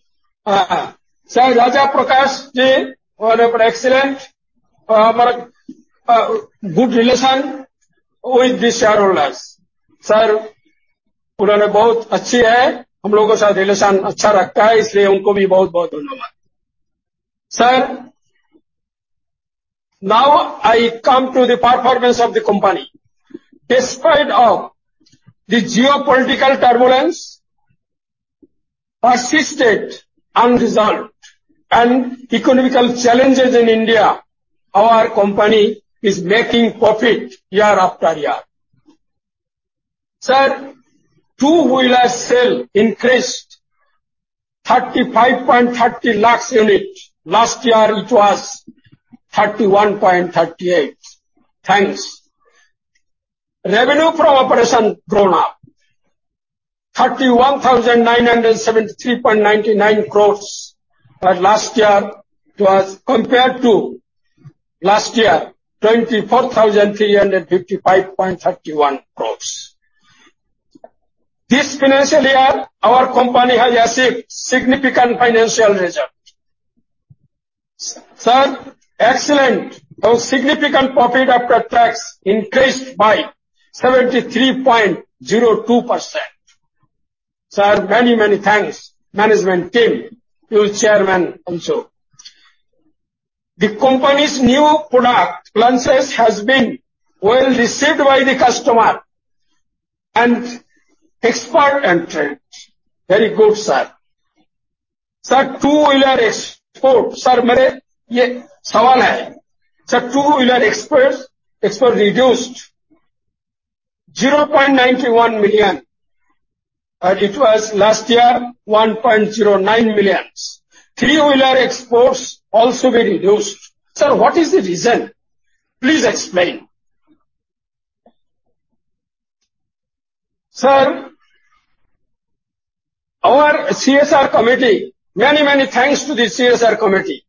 Sir Raja Prakash Ji, well, excellent, good relation with the shareholders. Sir, 𝑼𝒓𝒅𝒐𝒏𝒆 𝒂𝒏𝒆 𝑩𝒐𝒉𝒐𝒕 𝒂𝒄𝒊𝒉𝒂 𝒉𝒂𝒊, 𝑾𝒆 𝒉𝒂𝒎 𝒍𝒐𝒏𝒐क 𝒔𝒂𝒅 𝒓𝒆𝒍𝒂𝒕𝒊𝒐𝒏 𝒂𝒄𝒉𝒄𝒉𝒂 𝒓𝒂𝒂𝒏𝒊𝒕𝒂 𝒉𝒂𝒊, 𝒊𝒔𝒍𝒊𝒆 𝒊𝒏𝒏 k𝒐 𝑩𝒊𝒂𝒐𝒊 𝑩𝒐𝒉𝒐𝒕 𝑩𝒐𝒉𝒐𝒕 𝒅𝒂𝒏𝒂𝒏𝒊𝒂𝒅. Sir, now I come to the performance of the company. Despite of the geopolitical turbulence, persisted unresolved and economical challenges in India, our company is making profit year after year. Sir, two-wheeler sale increased 35.30 lakhs unit. Last year, it was 31.38. Thanks. Revenue from operation grown up, 31,973.99 crores. Last year, it was Compared to last year, 24,355.31 crores. This financial year, our company has achieved significant financial results. Sir, excellent or significant profit after tax increased by 73.02%. Sir, many, many thanks, management team, you chairman, also. The company's new product launches has been well received by the customer and expert entrance. Very good, sir. Sir, two-wheeler export, Sir, Mere ye sawal ai. Sir, two-wheeler exports, export reduced 0.91 million. It was last year, 1.09 million. Three-wheeler exports also were reduced. Sir, what is the reason? Please explain. Sir, our CSR committee, many thanks to the CSR committee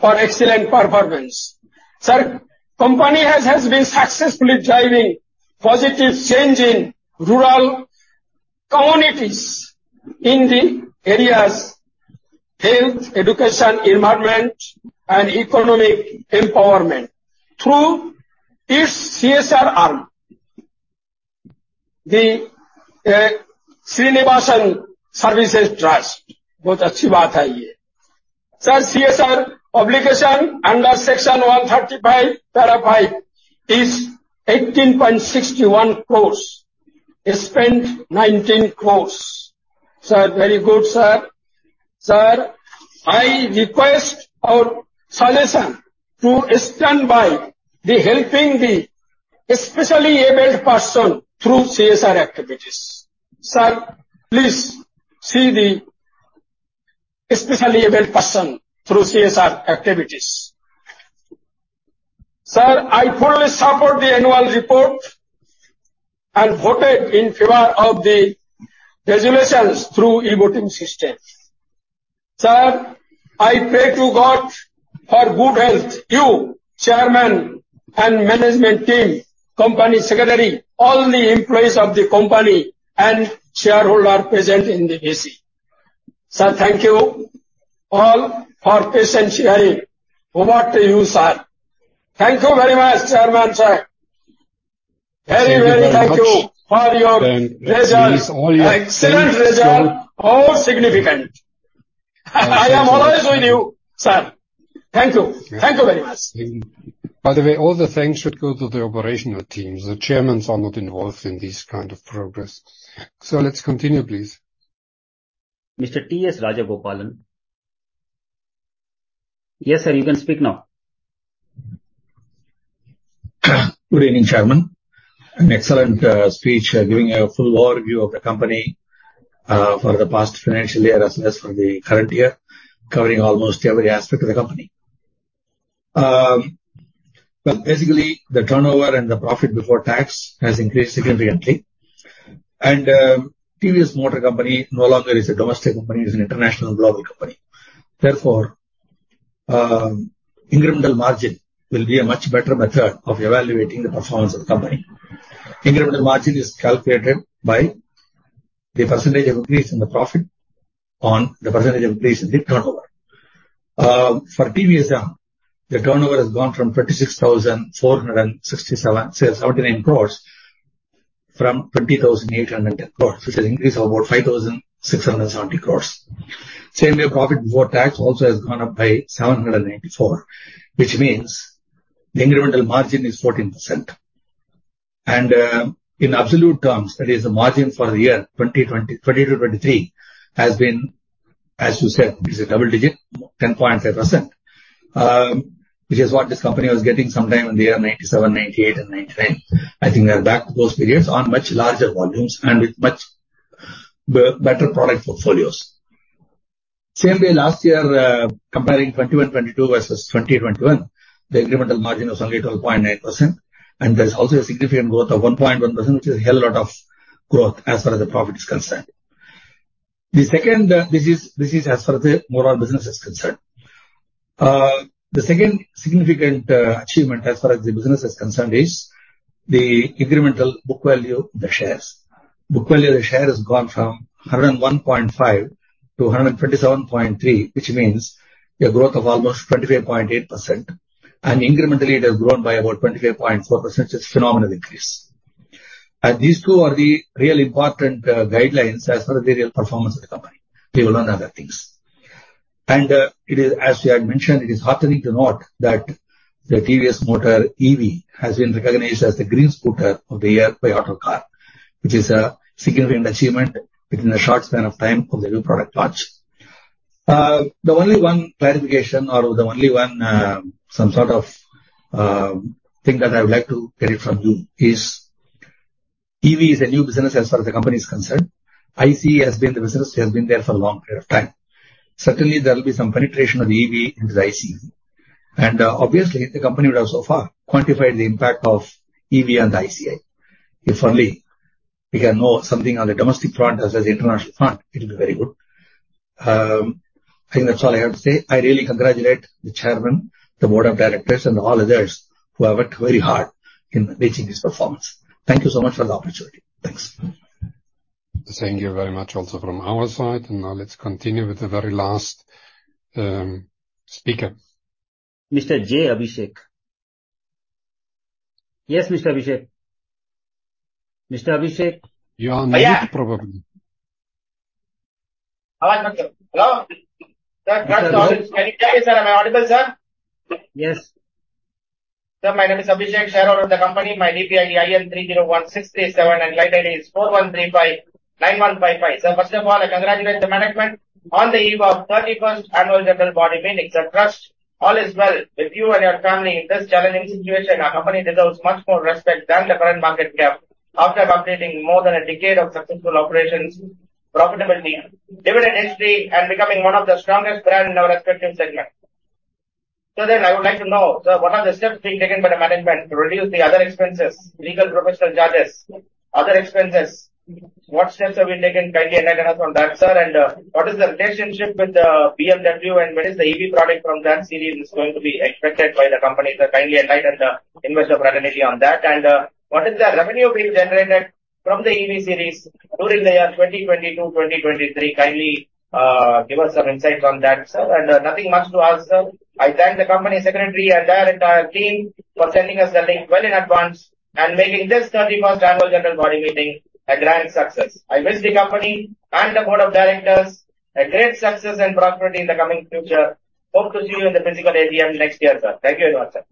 for excellent performance. Sir, company has been successfully driving positive change in rural communities in the areas health, education, environment, and economic empowerment through its CSR arm, the Srinivasan Services Trust. Very good thing. Sir, CSR obligation under Section 135, paragraph 5, is 18.61 crores. Spent 19 crores. Sir, very good, sir. Sir, I request our solution to stand by the helping the specially abled person through CSR activities. Sir, please see the specially abled person through CSR activities. Sir, I fully support the annual report and voted in favor of the resolutions through e-voting system. Sir, I pray to God for good health, you, chairman, and management team, company secretary, all the employees of the company, and shareholder present in the AC. Sir, thank you all for patiently hearing what to you, sir. Thank you very much, Chairman, sir. Thank you very much. Very, very thank you for your presence. Thank you. Excellent result, all significant. I am always with you, sir. Thank you. Thank you very much. By the way, all the thanks should go to the operational teams. The chairmans are not involved in this kind of progress. Let's continue, please. Mr B.Sriram, Yes, sir, you can speak now. Good evening, Chairman. An excellent speech, giving a full overview of the company for the past financial year, as well as for the current year, covering almost every aspect of the company. Basically, the turnover and the profit before tax has increased significantly. TVS Motor Company no longer is a domestic company, is an international global company. Therefore, incremental margin will be a much better method of evaluating the performance of the company. Incremental margin is calculated by the percentage of increase in the profit on the percentage of increase in the turnover. For TVS, now, the turnover has gone from 36,467, say, 79 crores, from 20,800 crores, which is an increase of about 5,670 crores. Same way, PBT also has gone up by 794, which means the incremental margin is 14%. In absolute terms, that is the margin for the year 2022-23, has been, as you said, is a double digit, 10.5%, which is what this company was getting sometime in the year 1997, 1998 and 1999. I think they are back to those periods on much larger volumes and with much better product portfolios. Same way, last year, comparing 2021-22 versus 2020-21, the incremental margin was only 12.9%, there's also a significant growth of 1.1%, which is a hell lot of growth as far as the profit is concerned. The second, this is as far as the overall business is concerned. the second significant achievement as far as the business is concerned is the incremental book value of the shares. Book value of the share has gone from 101.5 to 127.3, which means a growth of almost 25.8%, and incrementally, it has grown by about 25.4%, which is a phenomenal increase. These two are the real important guidelines as far as the real performance of the company, leave alone other things. it is, as you had mentioned, it is heartening to note that the TVS Motor EV has been recognized as the Green Scooter of the Year by Autocar India, which is a significant achievement within a short span of time from the new product launch. The only one clarification or the only one, some sort of, thing that I would like to get it from you is, EV is a new business as far as the company is concerned. ICE has been the business. It has been there for a long period of time. Certainly, there will be some penetration of the EV into the ICE. Obviously, the company would have so far quantified the impact of EV on the ICE. If only we can know something on the domestic front, as well as the international front, it'll be very good. I think that's all I have to say. I really congratulate the chairman, the board of directors, and all others who have worked very hard in reaching this performance. Thank you so much for the opportunity. Thanks. Thank you very much also from our side. Now let's continue with the very last speaker. Mr. J. Abhishek. Yes, Mr. Abhishek. Mr. Abhishek? You are on mute, probably. Hello, sir. Can you hear me, sir? Am I audible, sir? Yes. Sir, my name is Abhishek, shareholder of the company. My DPID is IN301637, and client ID is 41359155. Sir, first of all, I congratulate the management on the eve of 31st annual general body meeting. Sir, trust, all is well with you and your family in this challenging situation. Our company deserves much more respect than the current market cap after completing more than a decade of successful operations, profitability, dividend history, and becoming one of the strongest brand in our respective segment. I would like to know, sir, what are the steps being taken by the management to reduce the other expenses, legal, professional charges, other expenses? What steps have been taken? Kindly enlighten us on that, sir. What is the relationship with BMW, and when is the EV product from that series is going to be expected by the company? Sir, kindly enlighten the investor fraternity on that. What is the revenue being generated from the EV series during the year 2020 to 2023? Kindly give us some insight on that, sir. Nothing much to ask, sir. I thank the company secretary and their entire team for sending us the link well in advance, and making this 31st annual general body meeting a grand success. I wish the company and the board of directors a great success and prosperity in the coming future. Hope to see you in the physical AGM next year, sir. Thank you very much, sir.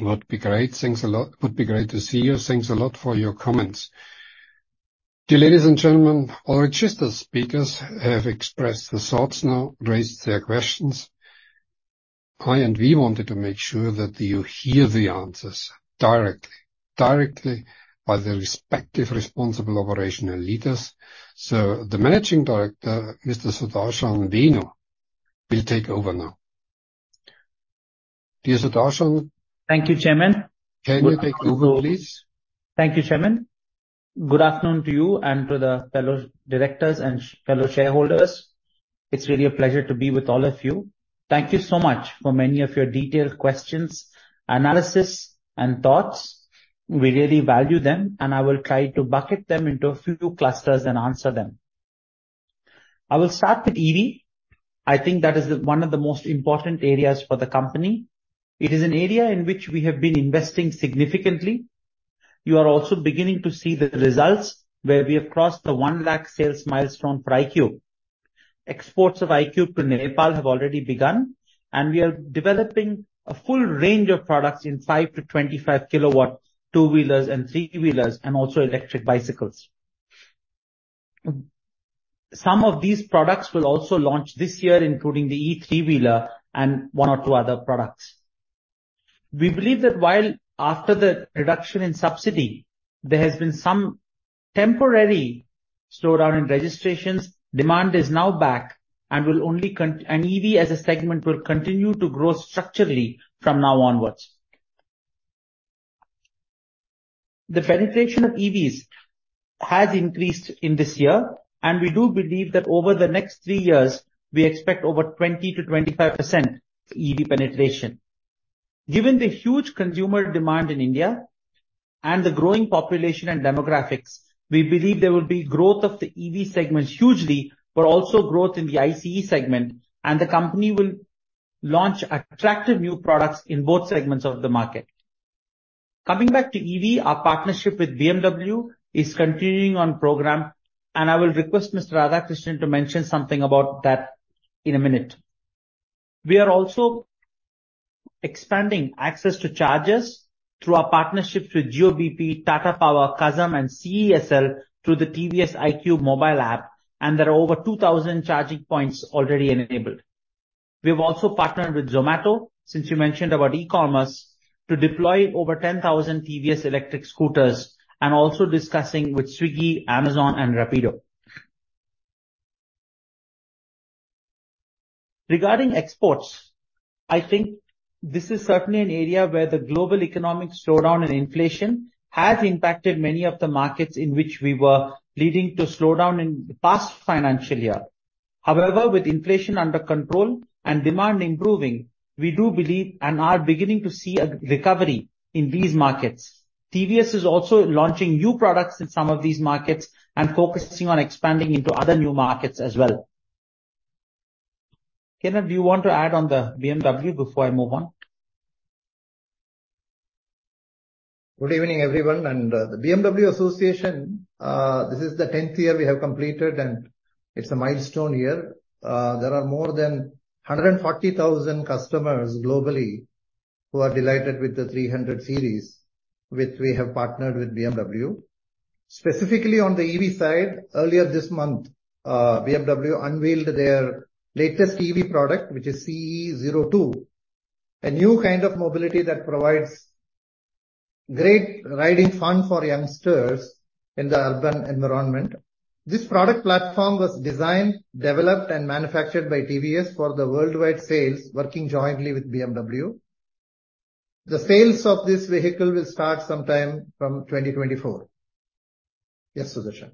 Would be great. Thanks a lot. Would be great to see you. Thanks a lot for your comments. Dear ladies and gentlemen, all registered speakers have expressed their thoughts, now raised their questions. I and we wanted to make sure that you hear the answers directly by the respective responsible operational leaders. The Managing Director, Mr. Sudarshan Venu, will take over now. Dear Sudarshan. Thank you, Chairman. Can you take over, please? Thank you, Chairman. Good afternoon to you and to the fellow directors and fellow shareholders. It's really a pleasure to be with all of you. Thank you so much for many of your detailed questions, analysis, and thoughts. We really value them, and I will try to bucket them into a few clusters and answer them. I will start with EV. I think that is one of the most important areas for the company. It is an area in which we have been investing significantly. You are also beginning to see the results, where we have crossed the 1 lakh sales milestone for iQube. Exports of iQube to Nepal have already begun, and we are developing a full range of products in 5-25 kilowatt two-wheelers and three-wheelers, and also electric bicycles. Some of these products will also launch this year, including the e-3-wheeler and 1 or 2 other products. We believe that while after the reduction in subsidy, there has been some temporary slowdown in registrations, demand is now back and EV as a segment, will continue to grow structurally from now onwards. The penetration of EVs has increased in this year, we do believe that over the next 3 years, we expect over 20%-25% EV penetration. Given the huge consumer demand in India and the growing population and demographics, we believe there will be growth of the EV segment hugely, but also growth in the ICE segment, the company will launch attractive new products in both segments of the market. Coming back to EV, our partnership with BMW is continuing on program, I will request Mr. Radhakrishnan to mention something about that in a minute. We are also expanding access to chargers through our partnerships with Jio-bp, Tata Power, Kazam, and CESL through the TVS iQube mobile app. There are over 2,000 charging points already enabled. We've also partnered with Zomato, since you mentioned about e-commerce, to deploy over 10,000 TVS electric scooters, and also discussing with Swiggy, Amazon, and Rapido. Regarding exports, I think this is certainly an area where the global economic slowdown and inflation has impacted many of the markets in which we were leading to slowdown in the past financial year. With inflation under control and demand improving, we do believe and are beginning to see a recovery in these markets. TVS is also launching new products in some of these markets and focusing on expanding into other new markets as well. Kenneth, do you want to add on the BMW before I move on? Good evening, everyone, and the BMW Association, this is the 10th year we have completed, and it's a milestone year. There are more than 140,000 customers globally who are delighted with the 300 series, which we have partnered with BMW. Specifically on the EV side, earlier this month, BMW unveiled their latest EV product, which is CE 02, a new kind of mobility that provides great riding fun for youngsters in the urban environment. This product platform was designed, developed, and manufactured by TVS for the worldwide sales, working jointly with BMW. The sales of this vehicle will start sometime from 2024. Yes, Sudarshan.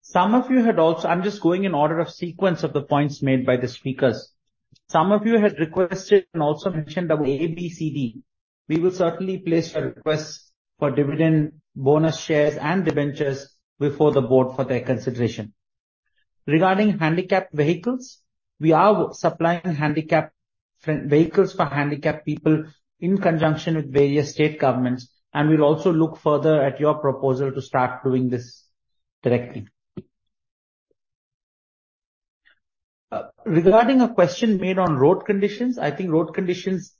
Some of you had also... I'm just going in order of sequence of the points made by the speakers. Some of you had requested and also mentioned about ABCD. We will certainly place your requests for dividend, bonus shares, and debentures before the board for their consideration. Regarding handicapped vehicles, we are supplying handicapped, vehicles for handicapped people in conjunction with various state governments, and we'll also look further at your proposal to start doing this directly. Regarding a question made on road conditions, I think road conditions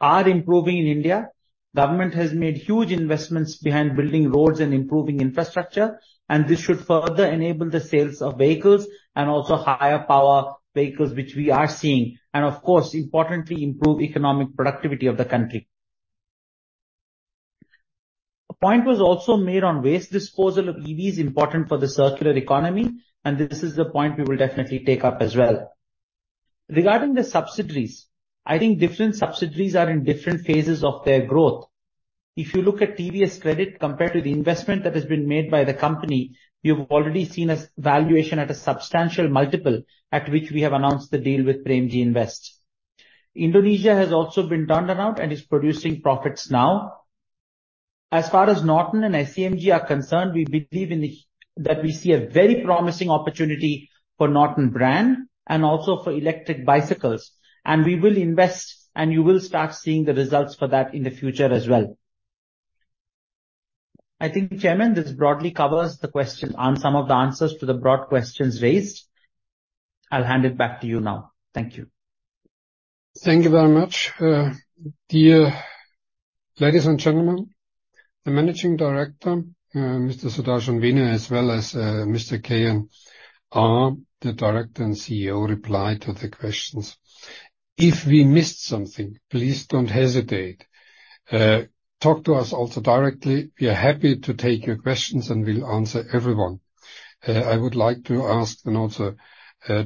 are improving in India. Government has made huge investments behind building roads and improving infrastructure, and this should further enable the sales of vehicles and also higher power vehicles, which we are seeing, and of course, importantly, improve economic productivity of the country. A point was also made on waste disposal of EVs important for the circular economy. This is the point we will definitely take up as well. Regarding the subsidiaries, I think different subsidiaries are in different phases of their growth. If you look at TVS Credit compared to the investment that has been made by the company, you've already seen as valuation at a substantial multiple at which we have announced the deal with PremjiInvest. Indonesia has also been turned around and is producing profits now. As far as Norton and SEMG are concerned, we believe that we see a very promising opportunity for Norton brand and also for electric bicycles, we will invest, and you will start seeing the results for that in the future as well. I think, Chairman, this broadly covers the question and some of the answers to the broad questions raised. I'll hand it back to you now. Thank you. Thank you very much. Dear ladies and gentlemen, the Managing Director, Mr. Sudarshan Venu, as well as, Mr. K.N.R., the Director and CEO, replied to the questions. If we missed something, please don't hesitate. Talk to us also directly. We are happy to take your questions, and we'll answer everyone. I would like to ask and also,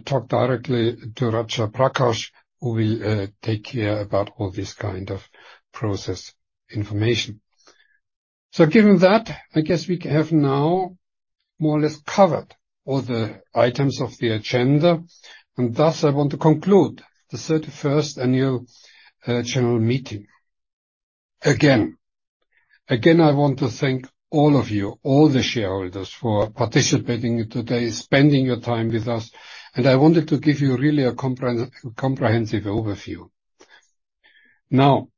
talk directly to Raja Prakash, who will, take care about all this kind of process information. Given that, I guess we have now more or less covered all the items of the agenda, Thus, I want to conclude the 31st Annual General Meeting. Again, I want to thank all of you, all the shareholders, for participating today, spending your time with us, and I wanted to give you really a comprehensive overview. Now,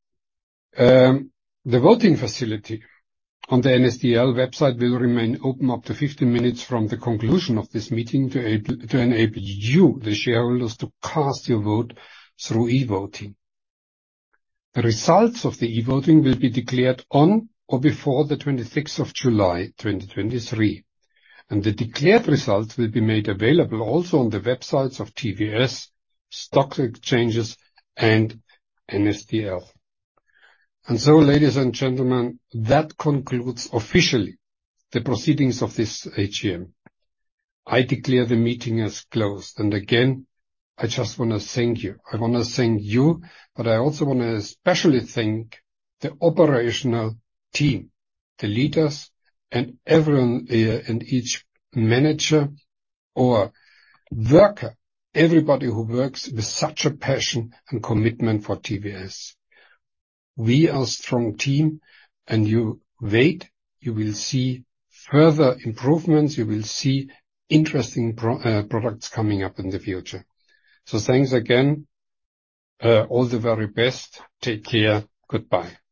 the voting facility on the NSDL website will remain open up to 15 minutes from the conclusion of this meeting to enable you, the shareholders, to cast your vote through e-voting. The results of the e-voting will be declared on or before the 26th of July, 2023, and the declared results will be made available also on the websites of TVS, stock exchanges, and NSDL. Ladies and gentlemen, that concludes officially the proceedings of this AGM. I declare the meeting as closed. Again, I just wanna thank you. I wanna thank you, but I also wanna especially thank the operational team, the leaders, and everyone, and each manager or worker, everybody who works with such a passion and commitment for TVS. We are a strong team, and you wait, you will see further improvements, you will see interesting products coming up in the future. Thanks again. All the very best. Take care. Goodbye.